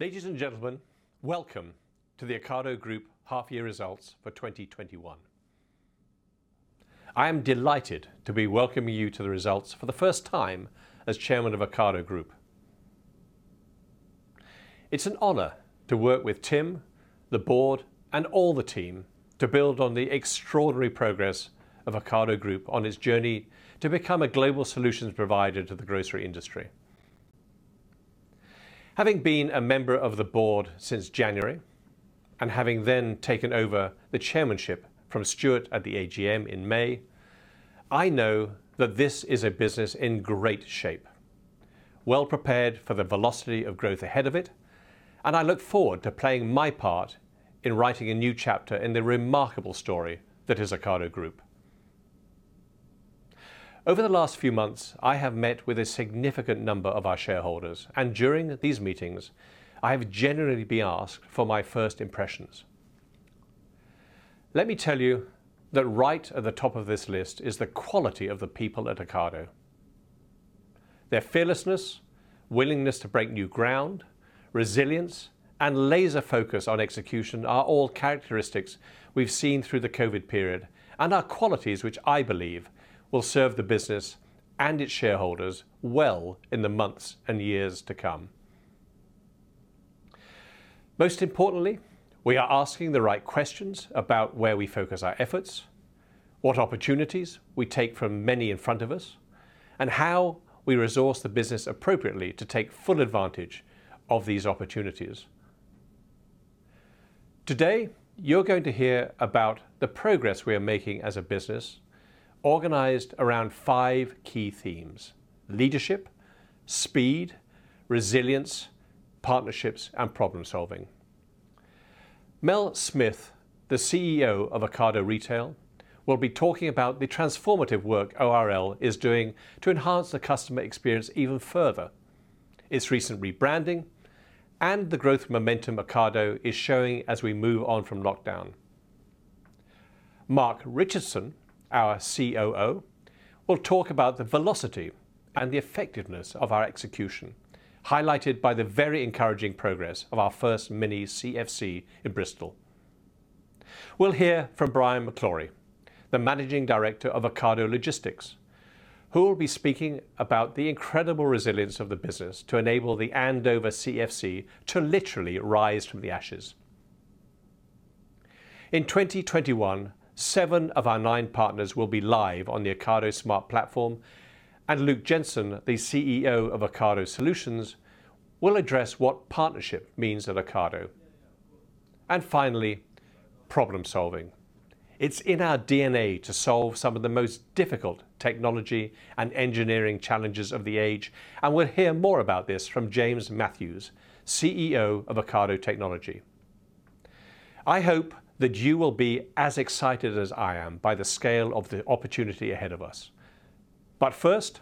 Ladies and gentlemen, welcome to the Ocado Group Half-Year Results for 2021. I am delighted to be welcoming you to the results for the first time as chairman of Ocado Group. It's an honor to work with Tim, the board, and all the team to build on the extraordinary progress of Ocado Group on its journey to become a global solutions provider to the grocery industry. Having been a member of the board since January, and having then taken over the chairmanship from Stuart at the AGM in May, I know that this is a business in great shape, well-prepared for the velocity of growth ahead of it, and I look forward to playing my part in writing a new chapter in the remarkable story that is Ocado Group. Over the last few months, I have met with a significant number of our shareholders, and during these meetings, I have generally been asked for my first impressions. Let me tell you that right at the top of this list is the quality of the people at Ocado. Their fearlessness, willingness to break new ground, resilience, and laser focus on execution are all characteristics we've seen through the COVID period, and are qualities which I believe will serve the business and its shareholders well in the months and years to come. Most importantly, we are asking the right questions about where we focus our efforts, what opportunities we take from many in front of us, and how we resource the business appropriately to take full advantage of these opportunities. Today, you're going to hear about the progress we are making as a business, organized around five key themes: leadership, speed, resilience, partnerships, and problem-solving. Mel Smith, the Chief Executive Officer of Ocado Retail, will be talking about the transformative work ORL is doing to enhance the customer experience even further, its recent rebranding, and the growth momentum Ocado is showing as we move on from lockdown. Mark Richardson, our COO, will talk about the velocity and the effectiveness of our execution, highlighted by the very encouraging progress of our first mini CFC in Bristol. We'll hear from Brian McClory, the Managing Director of Ocado Logistics, who will be speaking about the incredible resilience of the business to enable the Andover CFC to literally rise from the ashes. In 2021, seven of our nine partners will be live on the Ocado Smart Platform. Luke Jensen, the CEO of Ocado Solutions, will address what partnership means at Ocado. Finally, problem-solving. It's in our DNA to solve some of the most difficult technology and engineering challenges of the age. We'll hear more about this from James Matthews, CEO of Ocado Technology. I hope that you will be as excited as I am by the scale of the opportunity ahead of us. First,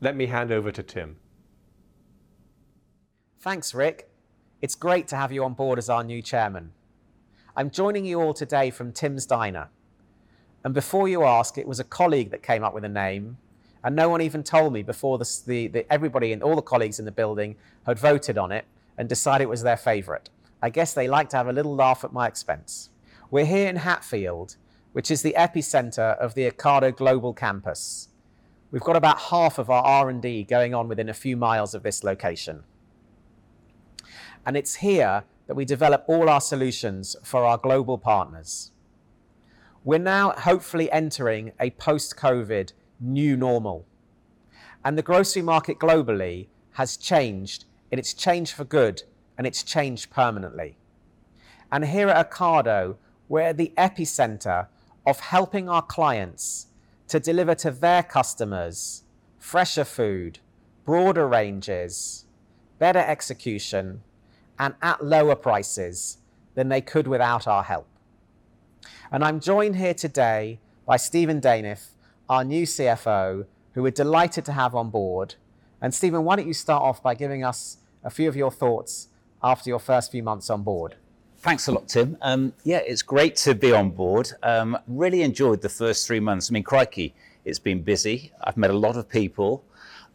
let me hand over to Tim. Thanks, Rick. It's great to have you on board as our new chairman. I'm joining you all today from Tim's Diner. Before you ask, it was a colleague that came up with the name, and no one even told me before this that everybody and all the colleagues in the building had voted on it and decided it was their favorite. I guess they like to have a little laugh at my expense. We're here in Hatfield, which is the epicenter of the Ocado global campus. We've got about half of our R&D going on within a few miles of this location. It's here that we develop all our solutions for our global partners. We're now hopefully entering a post-COVID new normal, and the grocery market globally has changed, and it's changed for good, and it's changed permanently. Here at Ocado, we're the epicenter of helping our clients to deliver to their customers fresher food, broader ranges, better execution, and at lower prices than they could without our help. I'm joined here today by Stephen Daintith, our new CFO, who we're delighted to have on board. Stephen, why don't you start off by giving us a few of your thoughts after your first few months on board? Thanks a lot, Tim. Yeah, it's great to be on board. Really enjoyed the first three months. I mean, crikey, it's been busy. I've met a lot of people.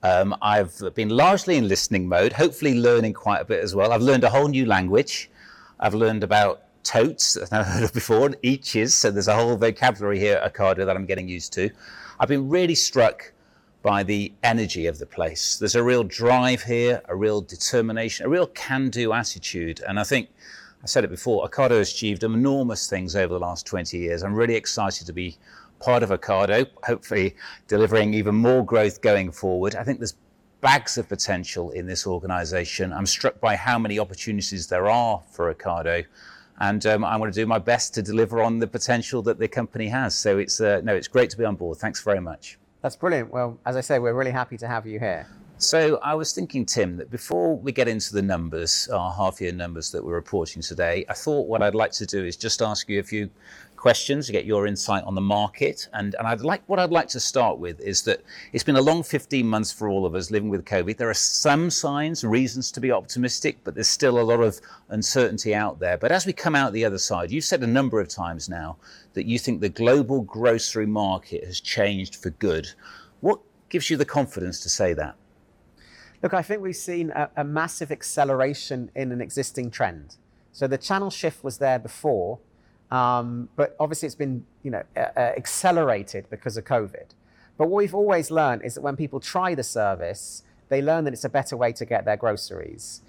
I've been largely in listening mode, hopefully learning quite a bit as well. I've learned a whole new language. I've learned about totes I've never heard of before, eaches. There's a whole vocabulary here at Ocado that I'm getting used to. I've been really struck by the energy of the place. There's a real drive here, a real determination, a real can-do attitude, and I think I said it before, Ocado has achieved enormous things over the last 20 years. I'm really excited to be part of Ocado, hopefully delivering even more growth going forward. I think there's bags of potential in this organization. I'm struck by how many opportunities there are for Ocado, and I want to do my best to deliver on the potential that the company has. It's great to be on board. Thanks very much. That's brilliant. As I say, we're really happy to have you here. I was thinking, Tim, that before we get into the numbers, our half-year numbers that we're reporting today, I thought what I'd like to do is just ask you a few questions to get your insight on the market. What I'd like to start with is that it's been a long 15 months for all of us living with COVID. There are some signs and reasons to be optimistic, but there's still a lot of uncertainty out there. As we come out the other side, you've said a number of times now that you think the global grocery market has changed for good. What gives you the confidence to say that? Look, I think we've seen a massive acceleration in an existing trend. The channel shift was there before, but obviously it's been accelerated because of COVID. What we've always learned is that when people try the service, they learn that it's a better way to get their groceries.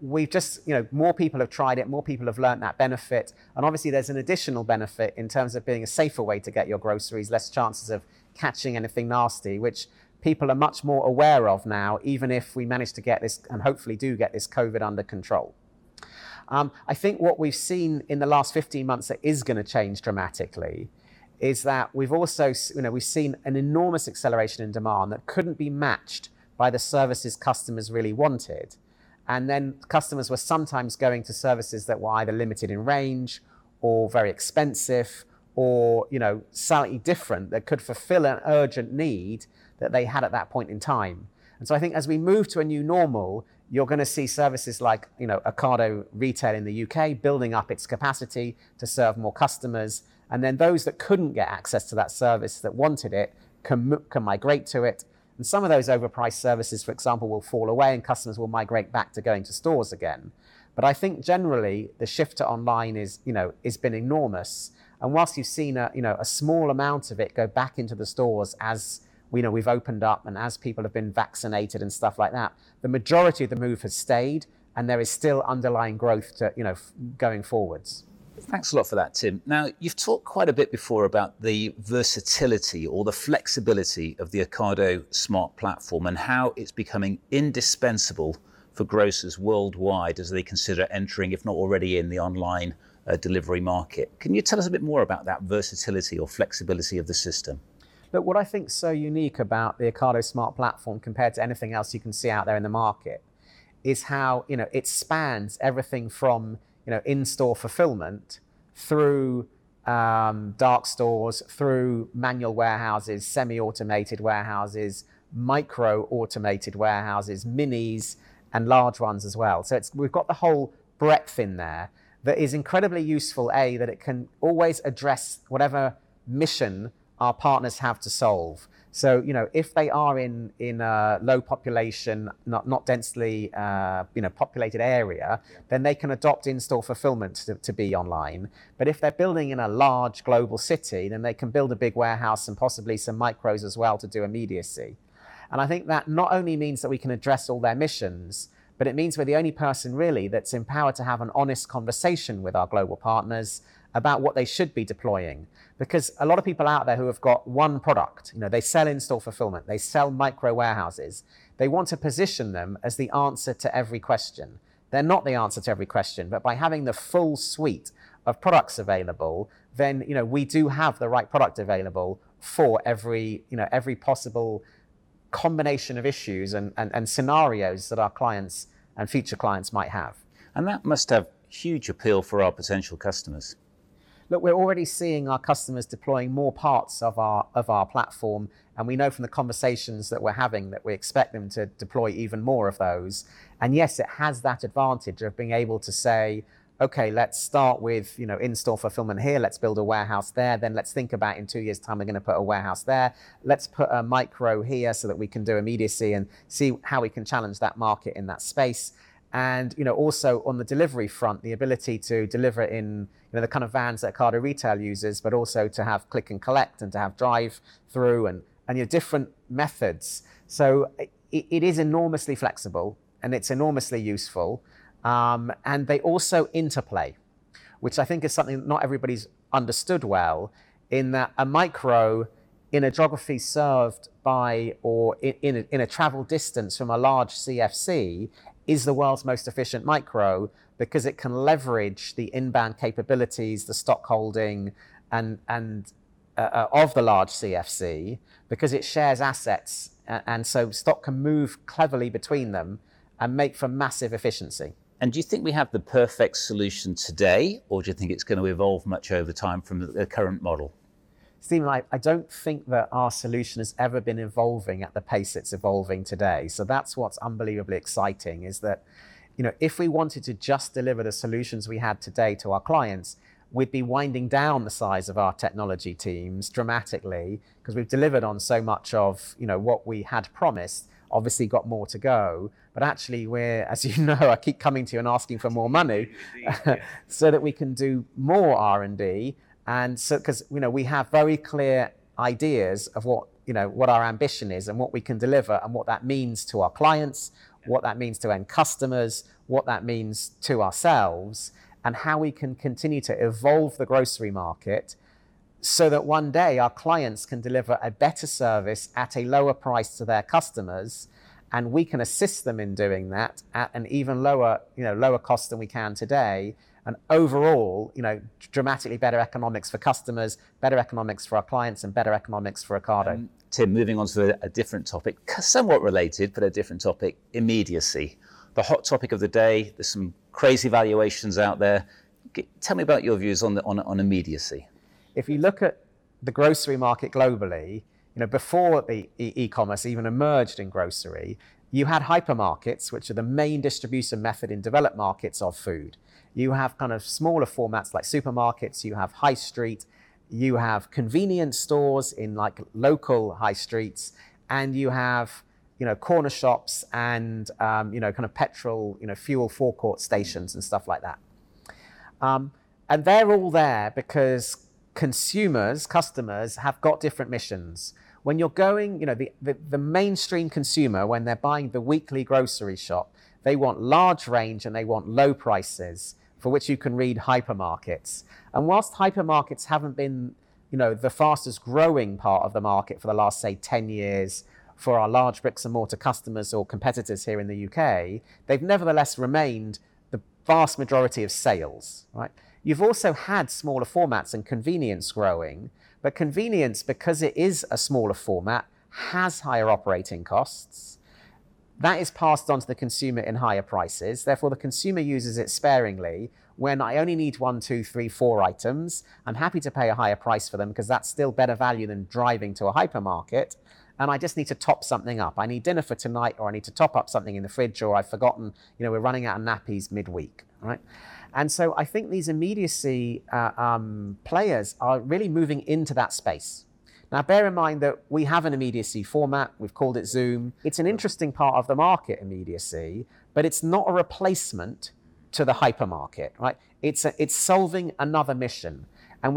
More people have tried it, more people have learned that benefit, and obviously there's an additional benefit in terms of being a safer way to get your groceries, less chances of catching anything nasty, which people are much more aware of now, even if we manage to get this, and hopefully do get this COVID under control. I think what we've seen in the last 15 months that is going to change dramatically is that we've seen an enormous acceleration in demand that couldn't be matched by the services customers really wanted. Customers were sometimes going to services that were either limited in range or very expensive or slightly different that could fulfill an urgent need that they had at that point in time. I think as we move to a new normal, you're going to see services like Ocado Retail in the U.K. building up its capacity to serve more customers, and then those that couldn't get access to that service that wanted it can migrate to it. Some of those overpriced services, for example, will fall away and customers will migrate back to going to stores again. I think generally the shift to online has been enormous. Whilst you've seen a small amount of it go back into the stores as we've opened up and as people have been vaccinated and stuff like that, the majority of the move has stayed and there is still underlying growth going forwards. Thanks a lot for that, Tim. You've talked quite a bit before about the versatility or the flexibility of the Ocado Smart Platform and how it's becoming indispensable for grocers worldwide as they consider entering, if not already in, the online delivery market. Can you tell us a bit more about that versatility or flexibility of the system? Look, what I think is so unique about the Ocado Smart Platform compared to anything else you can see out there in the market is how it spans everything from in-store fulfillment through dark stores, through manual warehouses, semi-automated warehouses, micro automated warehouses, minis and large ones as well. We've got the whole breadth in there that is incredibly useful, A, that it can always address whatever mission our partners have to solve. If they are in a low population, not densely populated area, then they can adopt in-store fulfillment to be online. If they're building in a large global city, then they can build a big warehouse and possibly some micros as well to do immediacy. I think that not only means that we can address all their missions, but it means we're the only person really that's empowered to have an honest conversation with our global partners about what they should be deploying. A lot of people out there who have got one product, they sell in-store fulfillment, they sell micro warehouses, they want to position them as the answer to every question. They're not the answer to every question. By having the full suite of products available, then we do have the right product available for every possible combination of issues and scenarios that our clients and future clients might have. That must have huge appeal for our potential customers. Look, we're already seeing our customers deploying more parts of our platform. We know from the conversations that we're having that we expect them to deploy even more of those. Yes, it has that advantage of being able to say, "Okay, let's start with in-store fulfillment here. Let's build a warehouse there. Then let's think about in two years' time, we're going to put a warehouse there. Let's put a micro here so that we can do immediacy and see how we can challenge that market in that space." Also on the delivery front, the ability to deliver in the kind of vans that Ocado Retail uses, but also to have click and collect and to have drive through and your different methods. It is enormously flexible and it's enormously useful. They also interplay, which I think is something that not everybody's understood well, in that a micro in a travel distance from a large CFC is the world's most efficient micro because it can leverage the inbound capabilities, the stock holding, of the large CFC because it shares assets and so stock can move cleverly between them and make for massive efficiency. Do you think we have the perfect solution today, or do you think it's going to evolve much over time from the current model? Stephen, I don't think that our solution has ever been evolving at the pace it's evolving today. That's what's unbelievably exciting is that if we wanted to just deliver the solutions we have today to our clients, we'd be winding down the size of our technology teams dramatically because we've delivered on so much of what we had promised. Obviously got more to go, but actually we're, as you know, I keep coming to you and asking for more money so that we can do more R&D because we have very clear ideas of what our ambition is and what we can deliver and what that means to our clients, what that means to end customers, what that means to ourselves, and how we can continue to evolve the grocery market so that one day our clients can deliver a better service at a lower price to their customers, and we can assist them in doing that at an even lower cost than we can today. Overall, dramatically better economics for customers, better economics for our clients, and better economics for Ocado. Tim, moving on to a different topic. Somewhat related, but a different topic, immediacy. The hot topic of the day. There's some crazy valuations out there. Tell me about your views on immediacy. If you look at the grocery market globally, before e-commerce even emerged in grocery, you had hypermarkets, which are the main distribution method in developed markets of food. You have kind of smaller formats like supermarkets, you have high street, you have convenience stores in local high streets, and you have corner shops and petrol, fuel forecourt stations and stuff like that. They're all there because consumers, customers, have got different missions. The mainstream consumer, when they're buying the weekly grocery shop, they want large range and they want low prices, for which you can read hypermarkets. Whilst hypermarkets haven't been the fastest growing part of the market for the last, say, 10 years for our large bricks and mortar customers or competitors here in the U.K., they've nevertheless remained the vast majority of sales. Right? You've also had smaller formats and convenience growing, but convenience, because it is a smaller format, has higher operating costs. That is passed on to the consumer in higher prices, therefore the consumer uses it sparingly. When I only need one, two, three, four items, I'm happy to pay a higher price for them because that's still better value than driving to a hypermarket, and I just need to top something up. I need dinner for tonight, or I need to top up something in the fridge, or I've forgotten we're running out of nappies midweek. Right? I think these immediacy players are really moving into that space. Now, bear in mind that we have an immediacy format. We've called it Zoom. It's an interesting part of the market, immediacy, but it's not a replacement to the hypermarket. Right? It’s solving another mission.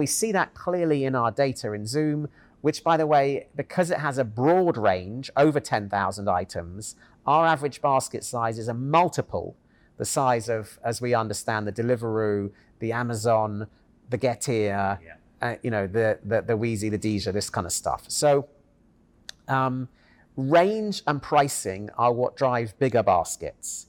We see that clearly in our data in Zoom, which by the way, because it has a broad range, over 10,000 items, our average basket size is a multiple the size of, as we understand, the Deliveroo, the Amazon, the Getir. Yeah The Weezy, the Dija, this kind of stuff. Range and pricing are what drive bigger baskets.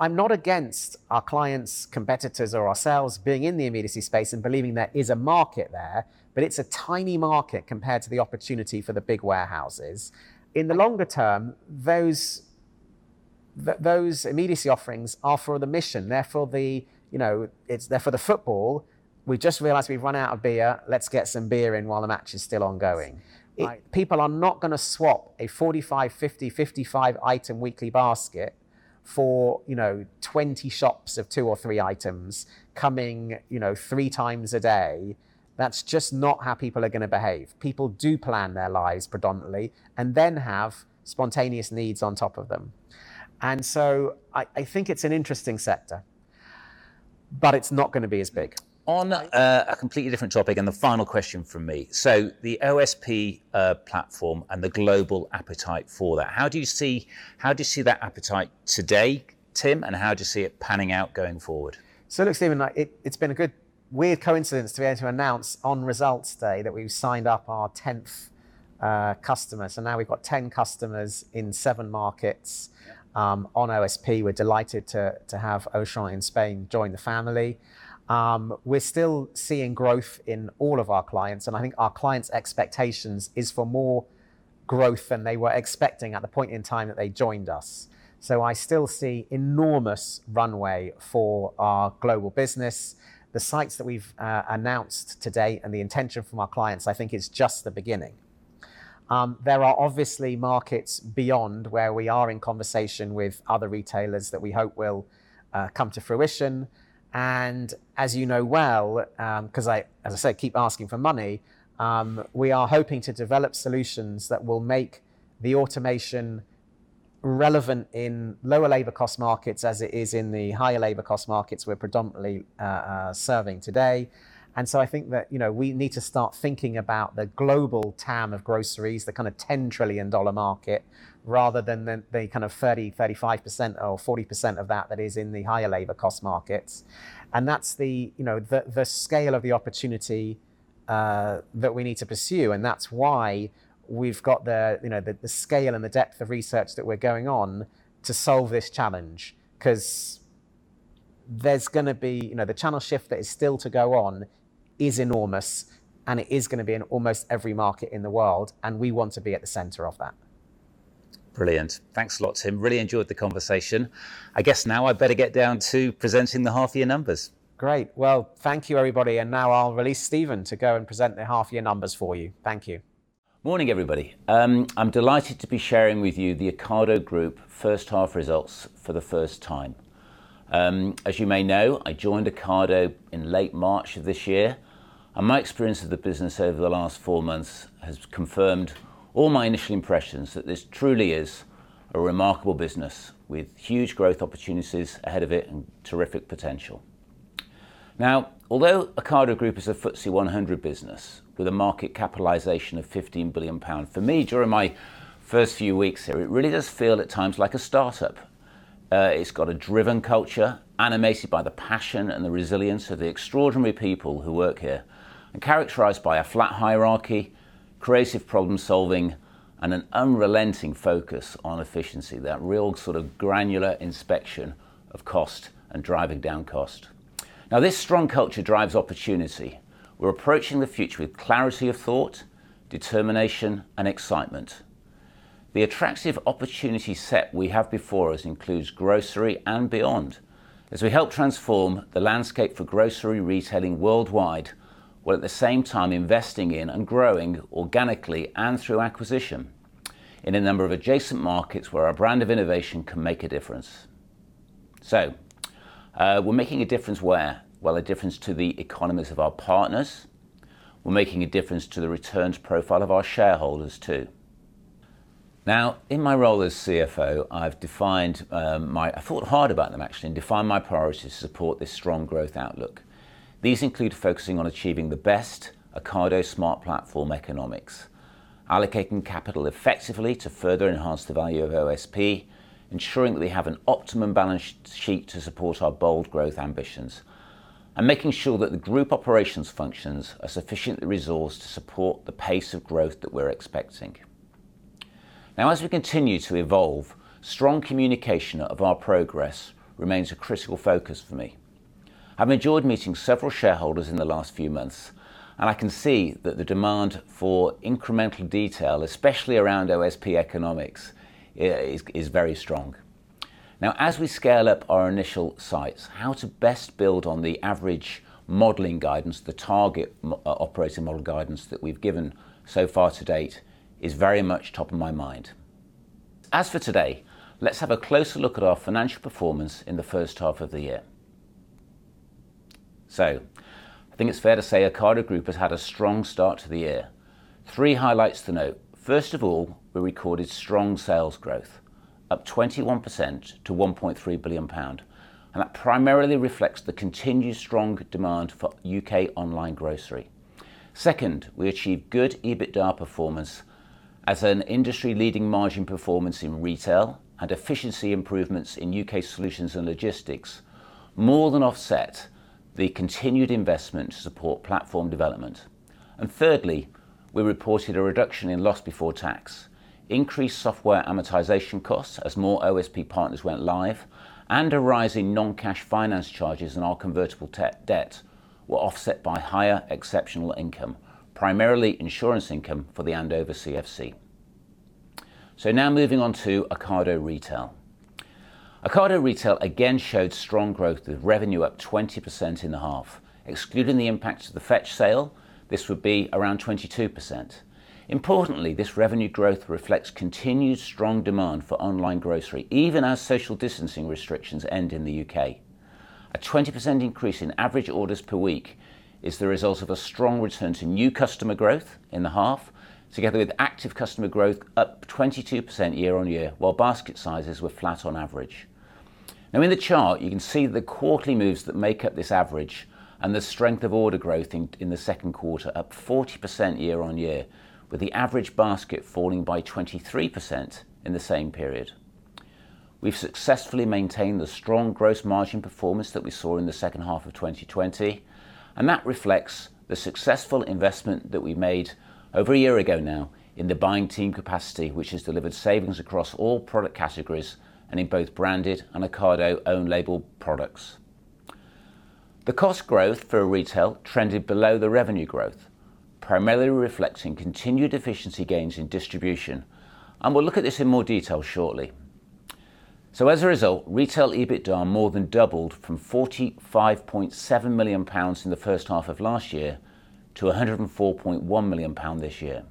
I'm not against our clients, competitors, or ourselves being in the immediacy space and believing there is a market there, but it's a tiny market compared to the opportunity for the big warehouses. In the longer term, those immediacy offerings are for the mission, it's there for the football. We just realized we've run out of beer, let's get some beer in while the match is still ongoing. Right. People are not going to swap a 45, 50, 55 item weekly basket for 20 shops of two or three items coming three times a day. That's just not how people are going to behave. People do plan their lives predominantly and then have spontaneous needs on top of them. I think it's an interesting sector, but it's not going to be as big. On a completely different topic, the final question from me. The OSP platform and the global appetite for that, how do you see that appetite today, Tim, and how do you see it panning out going forward? Look, Stephen, it's been a good, weird coincidence to be able to announce on results day that we've signed up our 10th customer. Now we've got 10 customers in seven markets on OSP. We're delighted to have Auchan in Spain join the family. We're still seeing growth in all of our clients, and I think our clients' expectations is for more growth than they were expecting at the point in time that they joined us. I still see enormous runway for our global business. The sites that we've announced to date and the intention from our clients, I think is just the beginning. There are obviously markets beyond where we are in conversation with other retailers that we hope will come to fruition. As you know well, because, as I said, keep asking for money, we are hoping to develop solutions that will make the automation relevant in lower labor cost markets as it is in the higher labor cost markets we're predominantly serving today. I think that we need to start thinking about the global TAM of groceries, the kind of $10 trillion market, rather than the kind of 30%, 35% or 40% of that that is in the higher labor cost markets. That's the scale of the opportunity that we need to pursue, that's why we've got the scale and the depth of research that we're going on to solve this challenge. The channel shift that is still to go on is enormous, and it is going to be in almost every market in the world, and we want to be at the center of that. Brilliant. Thanks a lot, Tim. Really enjoyed the conversation. I guess now I better get down to presenting the half year numbers. Great. Well, thank you everybody. Now I'll release Stephen to go and present the half year numbers for you. Thank you. Morning, everybody. I'm delighted to be sharing with you the Ocado Group first half results for the first time. As you may know, I joined Ocado in late March of this year, and my experience of the business over the last four months has confirmed all my initial impressions that this truly is a remarkable business with huge growth opportunities ahead of it and terrific potential. Now, although Ocado Group is a FTSE 100 business with a market capitalization of 15 billion pounds, for me, during my first few weeks here, it really does feel at times like a startup. It's got a driven culture animated by the passion and the resilience of the extraordinary people who work here and characterized by a flat hierarchy, creative problem solving, and an unrelenting focus on efficiency, that real sort of granular inspection of cost and driving down cost. This strong culture drives opportunity. We're approaching the future with clarity of thought, determination, and excitement. The attractive opportunity set we have before us includes grocery and beyond, as we help transform the landscape for grocery retailing worldwide, while at the same time investing in and growing organically and through acquisition in a number of adjacent markets where our brand of innovation can make a difference. We're making a difference where? Well, a difference to the economies of our partners. We're making a difference to the returns profile of our shareholders, too. In my role as CFO, I thought hard about them, actually, and defined my priorities to support this strong growth outlook. These include focusing on achieving the best Ocado Smart Platform economics, allocating capital effectively to further enhance the value of OSP, ensuring that we have an optimum balance sheet to support our bold growth ambitions, and making sure that the group operations functions are sufficiently resourced to support the pace of growth that we're expecting. As we continue to evolve, strong communication of our progress remains a critical focus for me. I've enjoyed meeting several shareholders in the last few months, and I can see that the demand for incremental detail, especially around OSP economics, is very strong. As we scale up our initial sites, how to best build on the average modeling guidance, the target operating model guidance that we've given so far to date is very much top of my mind. As for today, let's have a closer look at our financial performance in the H1 of the year. I think it's fair to say Ocado Group has had a strong start to the year. Three highlights to note. First of all, we recorded strong sales growth, up 21% to 1.3 billion pound, and that primarily reflects the continued strong demand for U.K. online grocery. Second, we achieved good EBITDA performance as an industry-leading margin performance in Retail and efficiency improvements in U.K. Solutions & Logistics, more than offset the continued investment to support platform development. Thirdly, we reported a reduction in loss before tax. Increased software amortization costs as more OSP partners went live and a rise in non-cash finance charges in our convertible debt were offset by higher exceptional income, primarily insurance income for the Andover CFC. Now moving on to Ocado Retail. Ocado Retail again showed strong growth with revenue up 20% in the half. Excluding the impact of the Fetch sale, this would be around 22%. Importantly, this revenue growth reflects continued strong demand for online grocery, even as social distancing restrictions end in the U.K. A 20% increase in average orders per week is the result of a strong return to new customer growth in the half, together with active customer growth up 22% year-on-year, while basket sizes were flat on average. Now, in the chart, you can see the quarterly moves that make up this average and the strength of order growth in the second quarter, up 40% year-on-year, with the average basket falling by 23% in the same period. We've successfully maintained the strong gross margin performance that we saw in the second half of 2020, and that reflects the successful investment that we made over one year ago now in the buying team capacity, which has delivered savings across all product categories and in both branded and Ocado own-label products. The cost growth for Retail trended below the revenue growth, primarily reflecting continued efficiency gains in distribution. We'll look at this in more detail shortly. As a result, Retail EBITDA more than doubled from GBP 45.7 million in the first half of last year to GBP 104.1 million this year.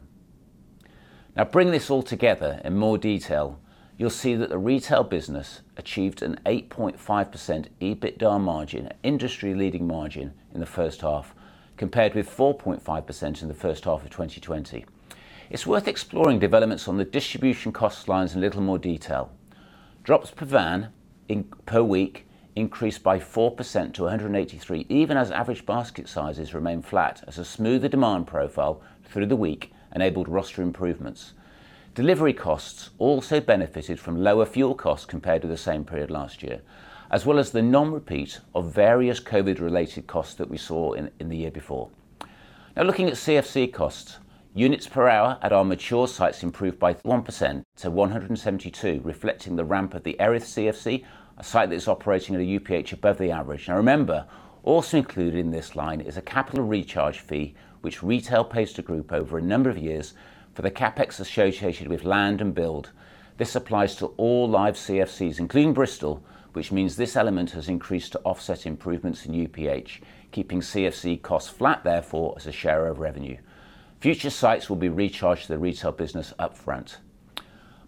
Bring this all together in more detail, you'll see that the Retail business achieved an 8.5% EBITDA margin, an industry-leading margin, in the first half, compared with 4.5% in the first half of 2020. It's worth exploring developments on the distribution cost lines in a little more detail. Drops per van per week increased by 4% to 183, even as average basket sizes remained flat as a smoother demand profile through the week enabled roster improvements. Delivery costs also benefited from lower fuel costs compared to the same period last year, as well as the non-repeat of various COVID-related costs that we saw in the year before. Now looking at CFC costs. Units per hour at our mature sites improved by 1% to 172, reflecting the ramp at the Erith CFC, a site that is operating at a UPH above the average. Now remember, also included in this line is a capital recharge fee, which Retail pays to Group over a number of years for the CapEx associated with land and build. This applies to all live CFCs, including Bristol, which means this element has increased to offset improvements in UPH, keeping CFC costs flat, therefore, as a share of revenue. Future sites will be recharged to the Retail business upfront.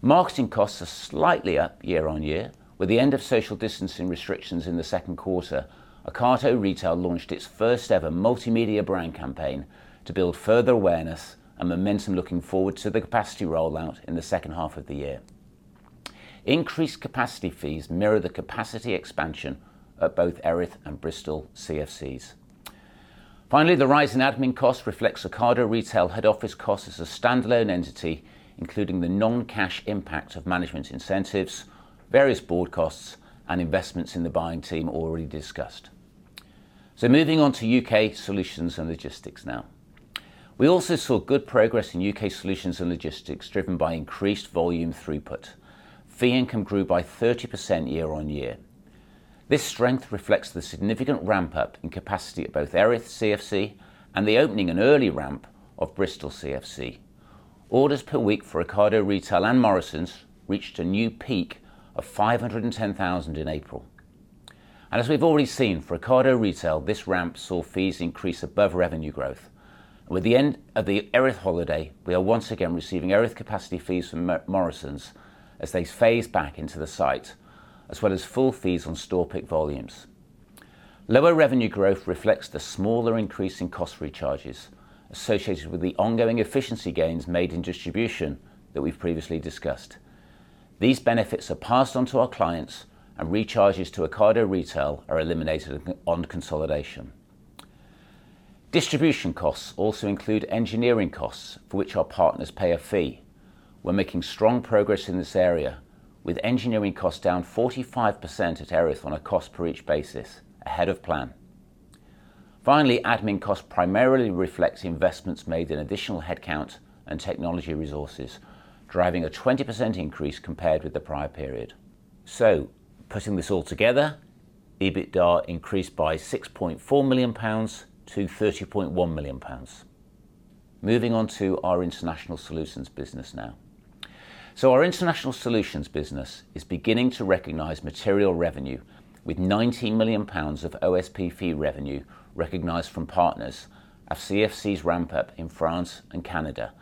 Marketing costs are slightly up year-over-year. With the end of social distancing restrictions in the Q2, Ocado Retail launched its first-ever multimedia brand campaign to build further awareness and momentum looking forward to the capacity rollout in the H2 of the year. Increased capacity fees mirror the capacity expansion at both Erith and Bristol CFCs. The rise in admin costs reflects Ocado Retail head office costs as a standalone entity, including the non-cash impact of management incentives, various board costs, and investments in the buying team already discussed. Moving on to UK Solutions & Logistics now. We also saw good progress in UK Solutions & Logistics, driven by increased volume throughput. Fee income grew by 30% year-on-year. This strength reflects the significant ramp-up in capacity at both Erith CFC and the opening and early ramp of Bristol CFC. Orders per week for Ocado Retail and Morrisons reached a new peak of 510,000 in April. As we've already seen, for Ocado Retail, this ramp saw fees increase above revenue growth. With the end of the Erith holiday, we are once again receiving Erith capacity fees from Morrisons as they phase back into the site, as well as full fees on store pick volumes. Lower revenue growth reflects the smaller increase in cost recharges associated with the ongoing efficiency gains made in distribution that we've previously discussed. These benefits are passed on to our clients, and recharges to Ocado Retail are eliminated on consolidation. Distribution costs also include engineering costs, for which our partners pay a fee. We're making strong progress in this area, with engineering costs down 45% at Erith on a cost per each basis, ahead of plan. Admin costs primarily reflect investments made in additional headcount and technology resources, driving a 20% increase compared with the prior period. Putting this all together, EBITDA increased by 6.4 million pounds to 30.1 million pounds. Moving on to our International Solutions business now. Our International Solutions business is beginning to recognize material revenue with 19 million pounds of OSP fee revenue recognized from partners of CFCs ramp-up in France and Canada,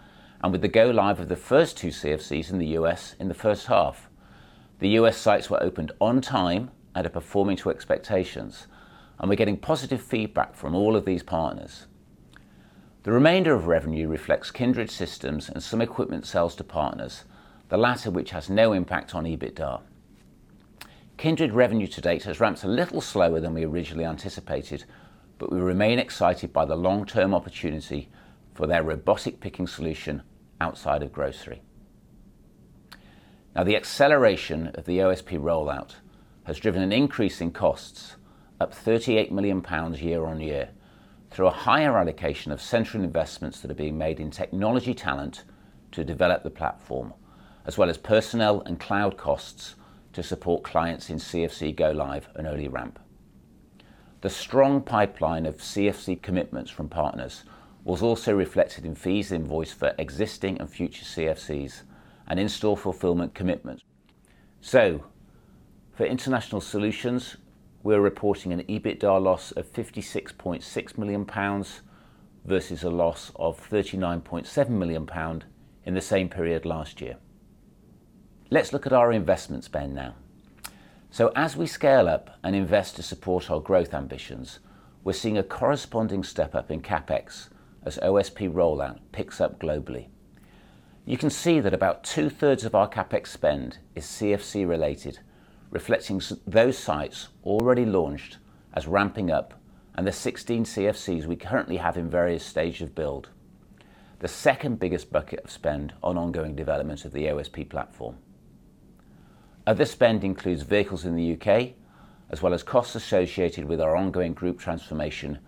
and with the go live of the first two CFCs in the U.S. in the first half. The U.S. sites were opened on time and are performing to expectations, and we're getting positive feedback from all of these partners. The remainder of revenue reflects Kindred Systems and some equipment sales to partners, the latter of which has no impact on EBITDA. Kindred revenue to date has ramped a little slower than we originally anticipated, but we remain excited by the long-term opportunity for their robotic picking solution outside of grocery. The acceleration of the OSP rollout has driven an increase in costs, up 38 million pounds year-on-year, through a higher allocation of central investments that are being made in technology talent to develop the platform, as well as personnel and cloud costs to support clients in CFC go live and early ramp. The strong pipeline of CFC commitments from partners was also reflected in fees invoiced for existing and future CFCs and in-store fulfillment commitments. For International Solutions, we're reporting an EBITDA loss of 56.6 million pounds versus a loss of 39.7 million pound in the same period last year. Let's look at our investment spend now. As we scale up and invest to support our growth ambitions, we're seeing a corresponding step-up in CapEx as OSP rollout picks up globally. You can see that about 2/3 of our CapEx spend is CFC related, reflecting those sites already launched as ramping up and the 16 CFCs we currently have in various stages of build. The second biggest bucket of spend on ongoing developments of the OSP platform. Other spend includes vehicles in the U.K. as well as costs associated with our ongoing group transformation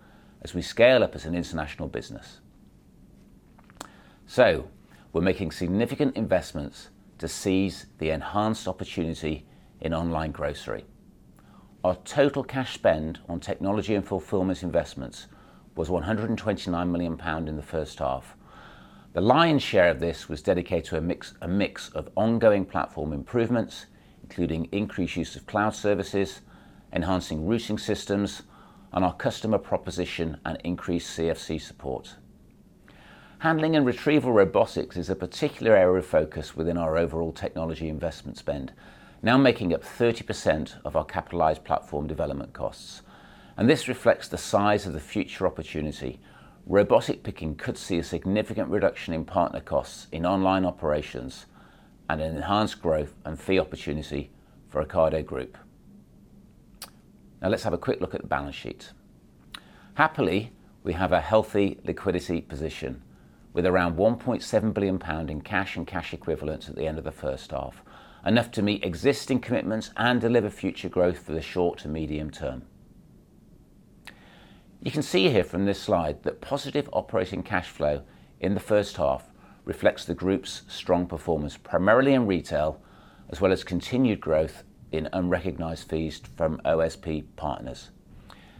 as we scale up as an international business. We're making significant investments to seize the enhanced opportunity in online grocery. Our total cash spend on technology and fulfillment investments was GBP 129 million in the first half. The lion's share of this was dedicated to a mix of ongoing platform improvements, including increased use of cloud services, enhancing routing systems, and our customer proposition and increased CFC support. Handling and retrieval robotics is a particular area of focus within our overall technology investment spend, now making up 30% of our capitalized platform development costs. This reflects the size of the future opportunity. Robotic picking could see a significant reduction in partner costs in online operations and an enhanced growth and fee opportunity for Ocado Group. Let's have a quick look at the balance sheet. Happily, we have a healthy liquidity position with around 1.7 billion pound in cash and cash equivalents at the end of the first half, enough to meet existing commitments and deliver future growth for the short to medium term. You can see here from this slide that positive operating cash flow in the first half reflects the group's strong performance, primarily in Retail as well as continued growth in unrecognized fees from OSP partners.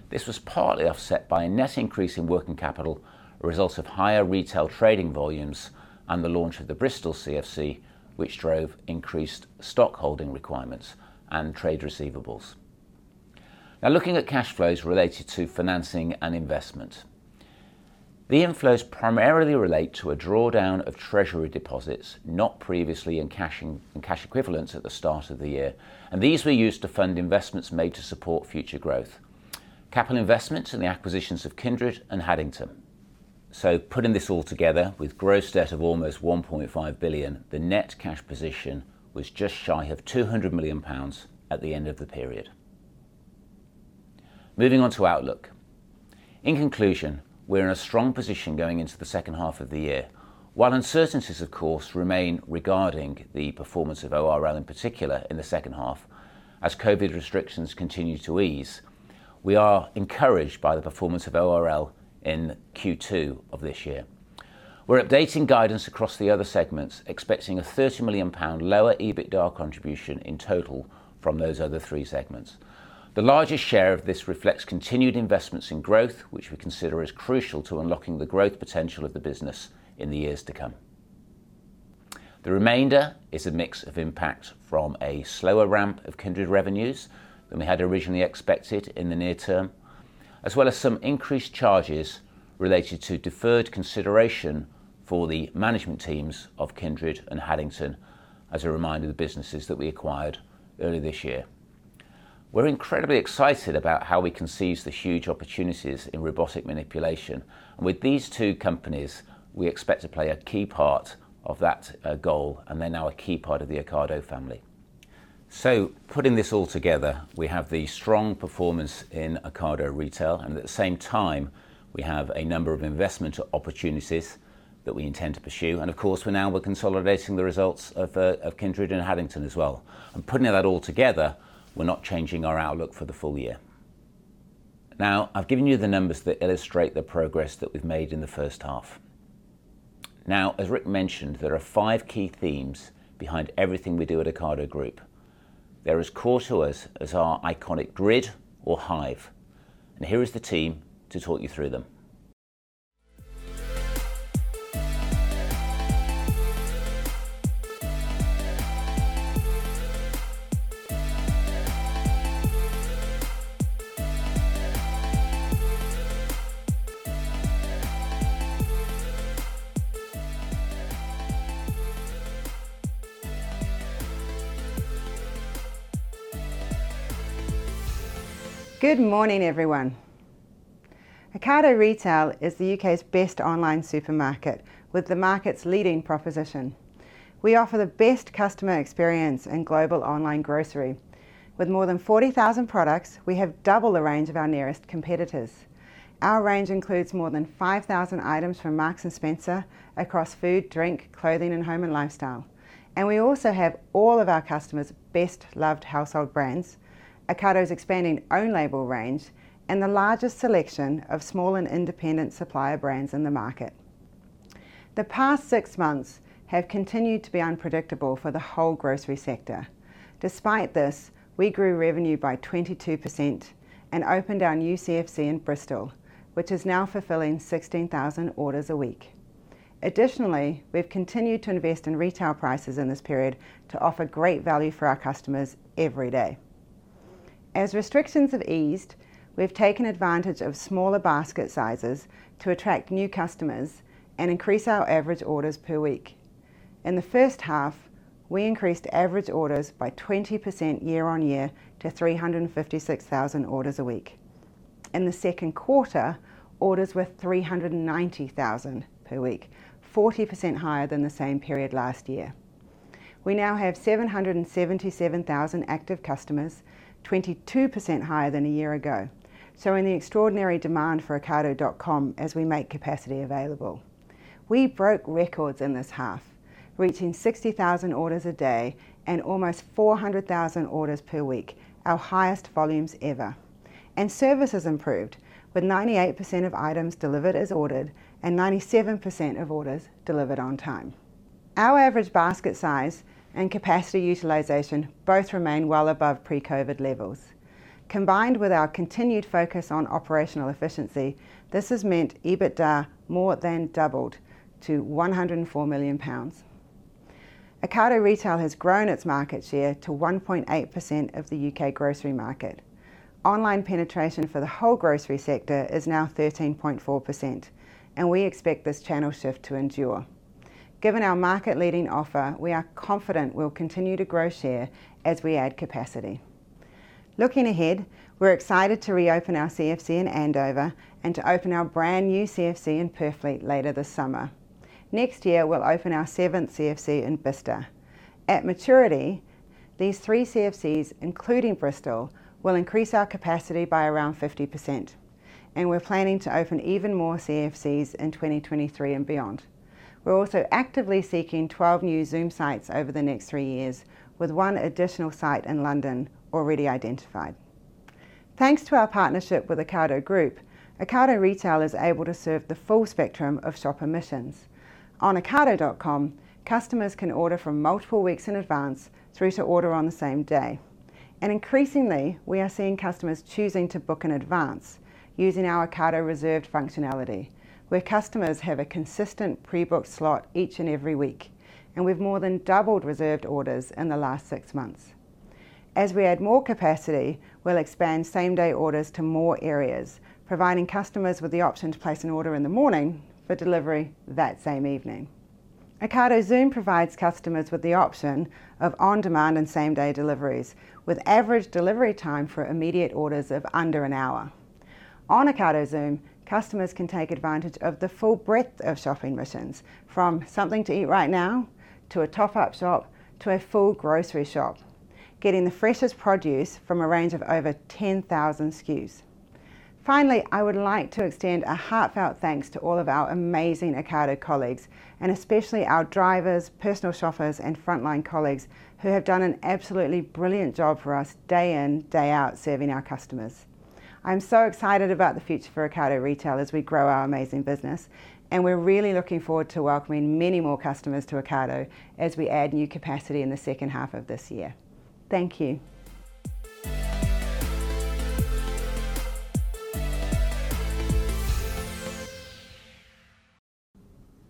This was partly offset by a net increase in working capital, a result of higher Retail trading volumes and the launch of the Bristol CFC, which drove increased stockholding requirements and trade receivables. Now looking at cash flows related to financing and investment. The inflows primarily relate to a drawdown of treasury deposits not previously in cash equivalents at the start of the year, and these were used to fund investments made to support future growth, capital investments in the acquisitions of Kindred and Haddington. Putting this all together with gross debt of almost 1.5 billion, the net cash position was just shy of 200 million pounds at the end of the period. Moving on to outlook. In conclusion, we're in a strong position going into the second half of the year. While uncertainties of course remain regarding the performance of ORL in particular in the second half as COVID restrictions continue to ease, we are encouraged by the performance of ORL in Q2 of this year. We're updating guidance across the other segments, expecting a 30 million pound lower EBITDA contribution in total from those other three segments. The largest share of this reflects continued investments in growth, which we consider is crucial to unlocking the growth potential of the business in the years to come. The remainder is a mix of impact from a slower ramp of Kindred revenues than we had originally expected in the near term. As well as some increased charges related to deferred consideration for the management teams of Kindred and Haddington, as a reminder, the businesses that we acquired earlier this year. We're incredibly excited about how we can seize the huge opportunities in robotic manipulation. With these two companies, we expect to play a key part of that goal, and they're now a key part of the Ocado family. Putting this all together, we have the strong performance in Ocado Retail, and at the same time, we have a number of investment opportunities that we intend to pursue. Of course, now we're consolidating the results of Kindred and Haddington as well. Putting that all together, we're not changing our outlook for the full year. I've given you the numbers that illustrate the progress that we've made in the first half. As Rick mentioned, there are five key themes behind everything we do at Ocado Group. They're as core to us as our iconic grid or hive, and here is the team to talk you through them. Good morning, everyone. Ocado Retail is the U.K.'s best online supermarket, with the market's leading proposition. We offer the best customer experience in global online grocery. With more than 40,000 products, we have double the range of our nearest competitors. Our range includes more than 5,000 items from Marks & Spencer across food, drink, clothing, and home and lifestyle. We also have all of our customers' best-loved household brands, Ocado's expanding own-label range, and the largest selection of small and independent supplier brands in the market. The past six months have continued to be unpredictable for the whole grocery sector. Despite this, we grew revenue by 22% and opened our new CFC in Bristol, which is now fulfilling 16,000 orders a week. Additionally, we've continued to invest in retail prices in this period to offer great value for our customers every day. As restrictions have eased, we've taken advantage of smaller basket sizes to attract new customers and increase our average orders per week. In the first half, we increased average orders by 20% year-on-year to 356,000 orders a week. In the second quarter, orders were 390,000 per week, 40% higher than the same period last year. We now have 777,000 active customers, 22% higher than a year ago, so an extraordinary demand for ocado.com as we make capacity available. We broke records in this half, reaching 60,000 orders a day and almost 400,000 orders per week, our highest volumes ever. Service has improved, with 98% of items delivered as ordered and 97% of orders delivered on time. Our average basket size and capacity utilization both remain well above pre-COVID levels. Combined with our continued focus on operational efficiency, this has meant EBITDA more than doubled to 104 million pounds. Ocado Retail has grown its market share to 1.8% of the U.K. grocery market. Online penetration for the whole grocery sector is now 13.4%, and we expect this channel shift to endure. Given our market-leading offer, we are confident we'll continue to grow share as we add capacity. Looking ahead, we're excited to reopen our CFC in Andover and to open our brand-new CFC in Purfleet later this summer. Next year, we'll open our seventh CFC in Bicester. At maturity, these three CFCs, including Bristol, will increase our capacity by around 50%, and we're planning to open even more CFCs in 2023 and beyond. We're also actively seeking 12 new Zoom sites over the next three years, with one additional site in London already identified. Thanks to our partnership with Ocado Group, Ocado Retail is able to serve the full spectrum of shopper missions. On ocado.com, customers can order from multiple weeks in advance through to order on the same day. Increasingly, we are seeing customers choosing to book in advance using our Ocado Reserved functionality, where customers have a consistent pre-booked slot each and every week, and we've more than doubled Reserved orders in the last six months. As we add more capacity, we'll expand same-day orders to more areas, providing customers with the option to place an order in the morning for delivery that same evening. Ocado Zoom provides customers with the option of on-demand and same-day deliveries, with average delivery time for immediate orders of under an hour. On Ocado Zoom, customers can take advantage of the full breadth of shopping missions, from something to eat right now, to a top-up shop, to a full grocery shop, getting the freshest produce from a range of over 10,000 SKUs. Finally, I would like to extend a heartfelt thanks to all of our amazing Ocado colleagues, and especially our drivers, personal shoppers, and frontline colleagues, who have done an absolutely brilliant job for us day in, day out, serving our customers. I'm so excited about the future for Ocado Retail as we grow our amazing business, and we're really looking forward to welcoming many more customers to Ocado as we add new capacity in the second half of this year. Thank you.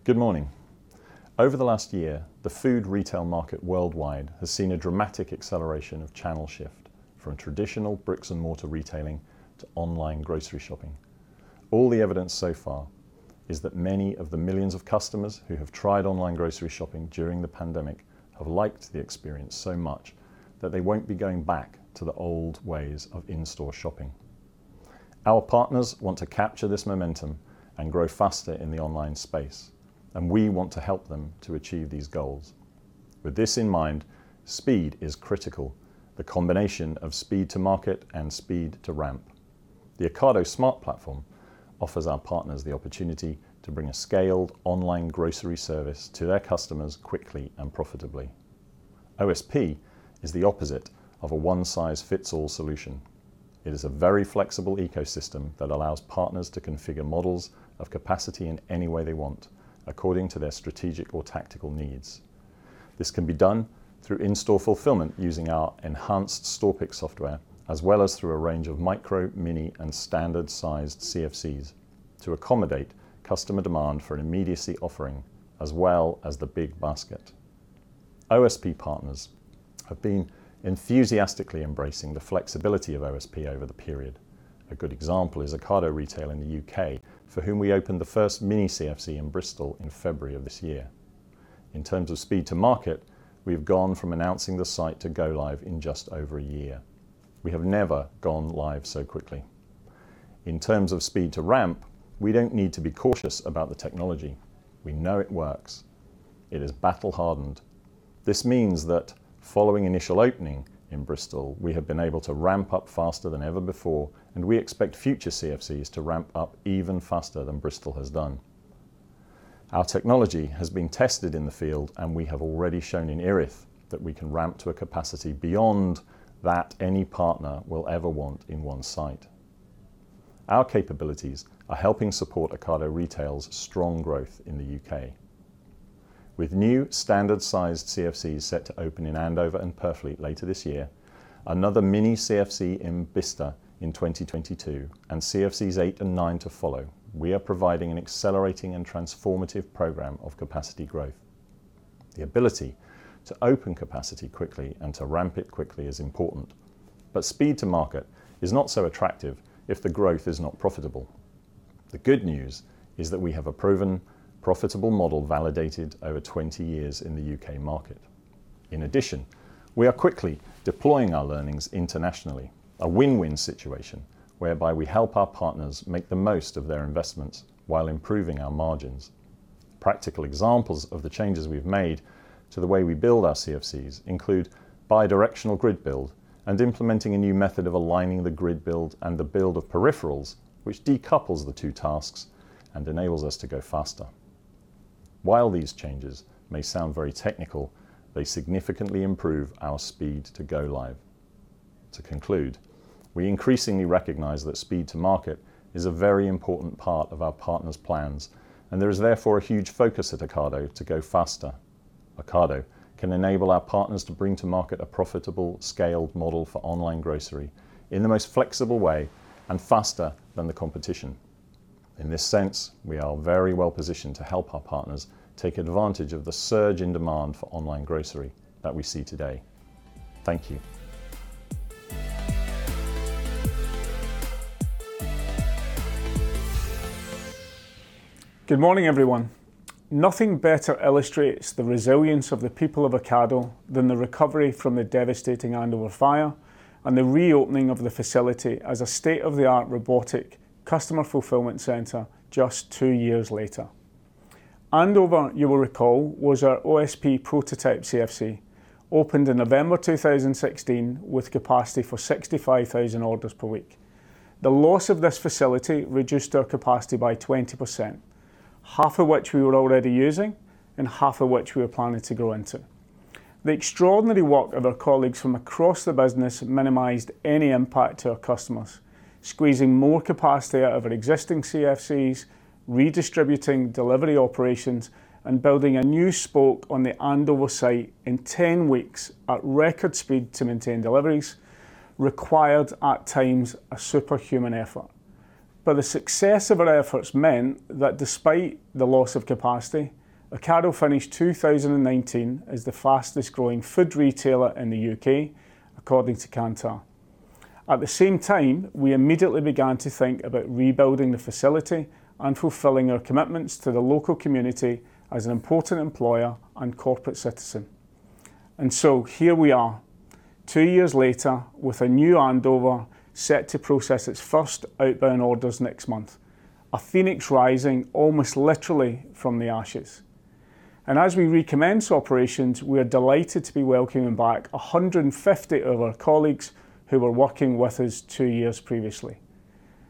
Good morning. Over the last year, the food retail market worldwide has seen a dramatic acceleration of channel shift for a traditional bricks of retailing to online grocery shopping. Only evidence so far is that many of the million of customers who have tried online grocery shopping during the pandemic have liked the experience so much that they weren't going back to the old ways of in-store shopping. Our partners want to capture this momentum and go faster on the online space, and we want to help them to achieve this goals. This speed is critical, the combination of speed to market and speed to ramp. The Ocado Smart Platform offers our partners the opportunity to bring the scaled online grocery service to the customers quickly and profitably. Our speed is the opposite of a one size fits all solution. It is a very flexible ecosystem that allows partners to configure models of capacity of any way they want according to strategic or tactical needs. This could be done through install fulfilment using our enhance stopic, as well as the arrange of our micro, mini and standard size CFCs to accomodate customer demand for immediate offering as well the big basket. Our partners are being enthusiasticaly embracing the flexibility of OSP over the period. Our good example the Ocado Retail in UK. For whom we opened the first mini CFC in Bristol in February of this year. In terms of speed to market, we've gone from announcing the site to go live in just over a year. We have never gone live so quickly. In terms of speed to ramp, we don't need to be cautious about the technology. We know it works. It is battle-hardened. This means that following initial opening in Bristol, we have been able to ramp upn faster that ever before, and we expect future CFCs to ramp up even faster that Bristol has done. Our Technology has been tested in the field, and we have already shown in Erith thast we can ramp to a capacity beyond that any partner will ever want in one site. Our capabilities are helping are helping support Ocado Retail's strong growth in the UK. With new standard sized CFCs set to open in Andover and Purfleet later this year, another mini CFC in Bicester in 2022 and CFCs eight and nine to follow, we are providing an accelerating and transformative program of capacity growth. The ability to open capacity quickly and to ramp it quickly is important. But speed to market is not so attractive if the growth is not profitable. The good news is that we have a proven profitable model validated over 20 years in the UK market. In addition, we are quickly deploying our learnings internationally, a win-win situation whereby we help our partners make the most of their investments while improving our margins. Practical examples of the changes we've made to the way we build our CFCs include bi-directional grid build and implementing a new method of aligning the grid build and the build of peripherals which decouples the two tasks and enables us to go faster. While these changes may sound very technical, they significantly improve our speed to go line. To conclude recognize that speed to market is very imporatnt part of our plans and there is therefore a huge focus at OCado to go faster. Ocado can enale our partners to bring to market a profitable scaled model for online grocery in the most flexible way and faster that the competition. In this sende, we are very well positioned to help our partners take advantage of the surge in demand for online grocery that we see today. Thank you Good morning, everyone. Nothing better illustrates the resilience of the people of Ocado than the recovery from the devastating Andover fire and the reopening of the facility as a state-of-the-art robotic customer fulfillment center just two years later. Andover, you will recall, was our OSP prototype CFC, opened in November 2016 with capacity for 65,000 orders per week. The loss of this facility reduced our capacity by 20%, half of which we were already using and half of which we were planning to grow into. The extraordinary work of our colleagues from across the business minimized any impact to our customers, squeezing more capacity out of our existing CFCs, redistributing delivery operations, and building a new spoke on the Andover site in 10 weeks at record speed to maintain deliveries required at times a superhuman effort. The success of our efforts meant that despite the loss of capacity, Ocado finished 2019 as the fastest growing food retailer in the U.K., according to Kantar. At the same time, we immediately began to think about rebuilding the facility and fulfilling our commitments to the local community as an important employer and corporate citizen. So here we are, two years later, with a new Andover set to process its first outbound orders next month, a phoenix rising almost literally from the ashes. As we recommence operations, we are delighted to be welcoming back 150 of our colleagues who were working with us two years previously.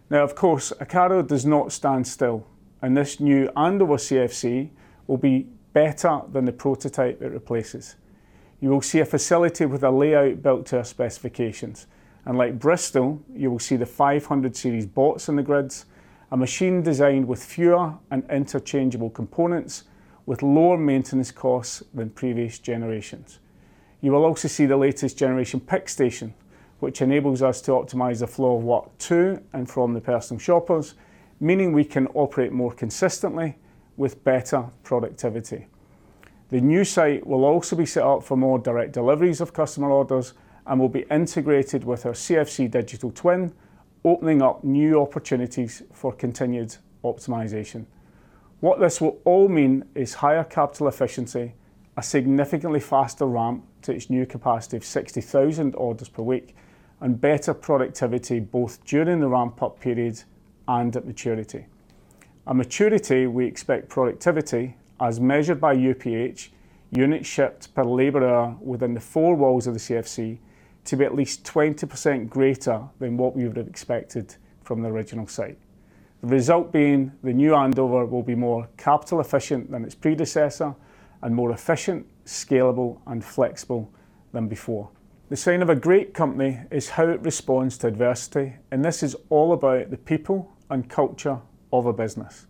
Now, of course, Ocado does not stand still, and this new Andover CFC will be better than the prototype it replaces. You will see a facility with a layout built to our specifications. Like Bristol, you will see the 500 Series Bots in the grids, a machine designed with fewer and interchangeable components with lower maintenance costs than previous generations. You will also see the latest generation pick station, which enables us to optimize the flow of work to and from the personal shoppers, meaning we can operate more consistently with better productivity. The new site will also be set up for more direct deliveries of customer orders and will be integrated with our CFC digital twin, opening up new opportunities for continued optimization. What this will all mean is higher capital efficiency, a significantly faster ramp to its new capacity of 60,000 orders per week, and better productivity both during the ramp-up period and at maturity. At maturity, we expect productivity, as measured by UPH, unit shipped per laborer within the four walls of the CFC, to be at least 20% greater than what we would've expected from the original site. The result being the new Andover will be more capital efficient than its predecessor and more efficient, scalable, and flexible than before. The sign of a great company is how it responds to adversity, and this is all about the people and culture of a business.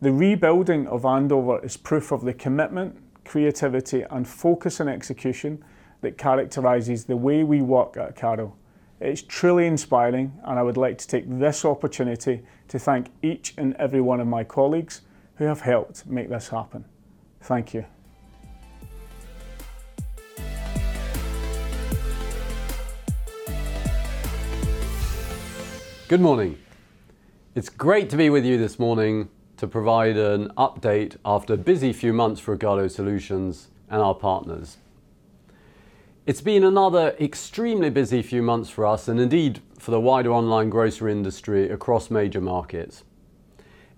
The rebuilding of Andover is proof of the commitment, creativity, and focus and execution that characterizes the way we work at Ocado. It's truly inspiring, and I would like to take this opportunity to thank each and every one of my colleagues who have helped make this happen. Thank you. Good morning. It's great to be with you this morning to provide an update after a busy few months for Ocado Solutions and our partners. It's been another extremely busy few months for us and indeed for the wider online grocery industry across major markets.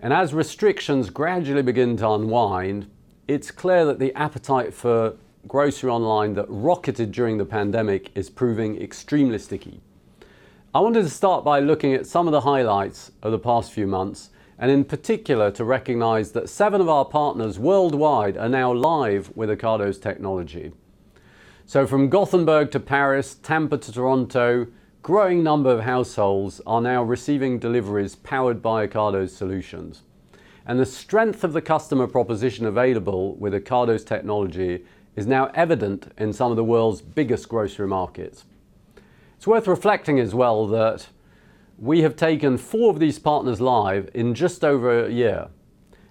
As restrictions gradually begin to unwind, it's clear that the appetite for grocery online that rocketed during the pandemic is proving extremely sticky. I wanted to start by looking at some of the highlights of the past few months, and in particular, to recognize that seven of our partners worldwide are now live with Ocado's technology. From Gothenburg to Paris, Tampa to Toronto, a growing number of households are now receiving deliveries powered by Ocado's solutions. The strength of the customer proposition available with Ocado's technology is now evident in some of the world's biggest grocery markets. It's worth reflecting as well that we have taken four of these partners live in just over a year,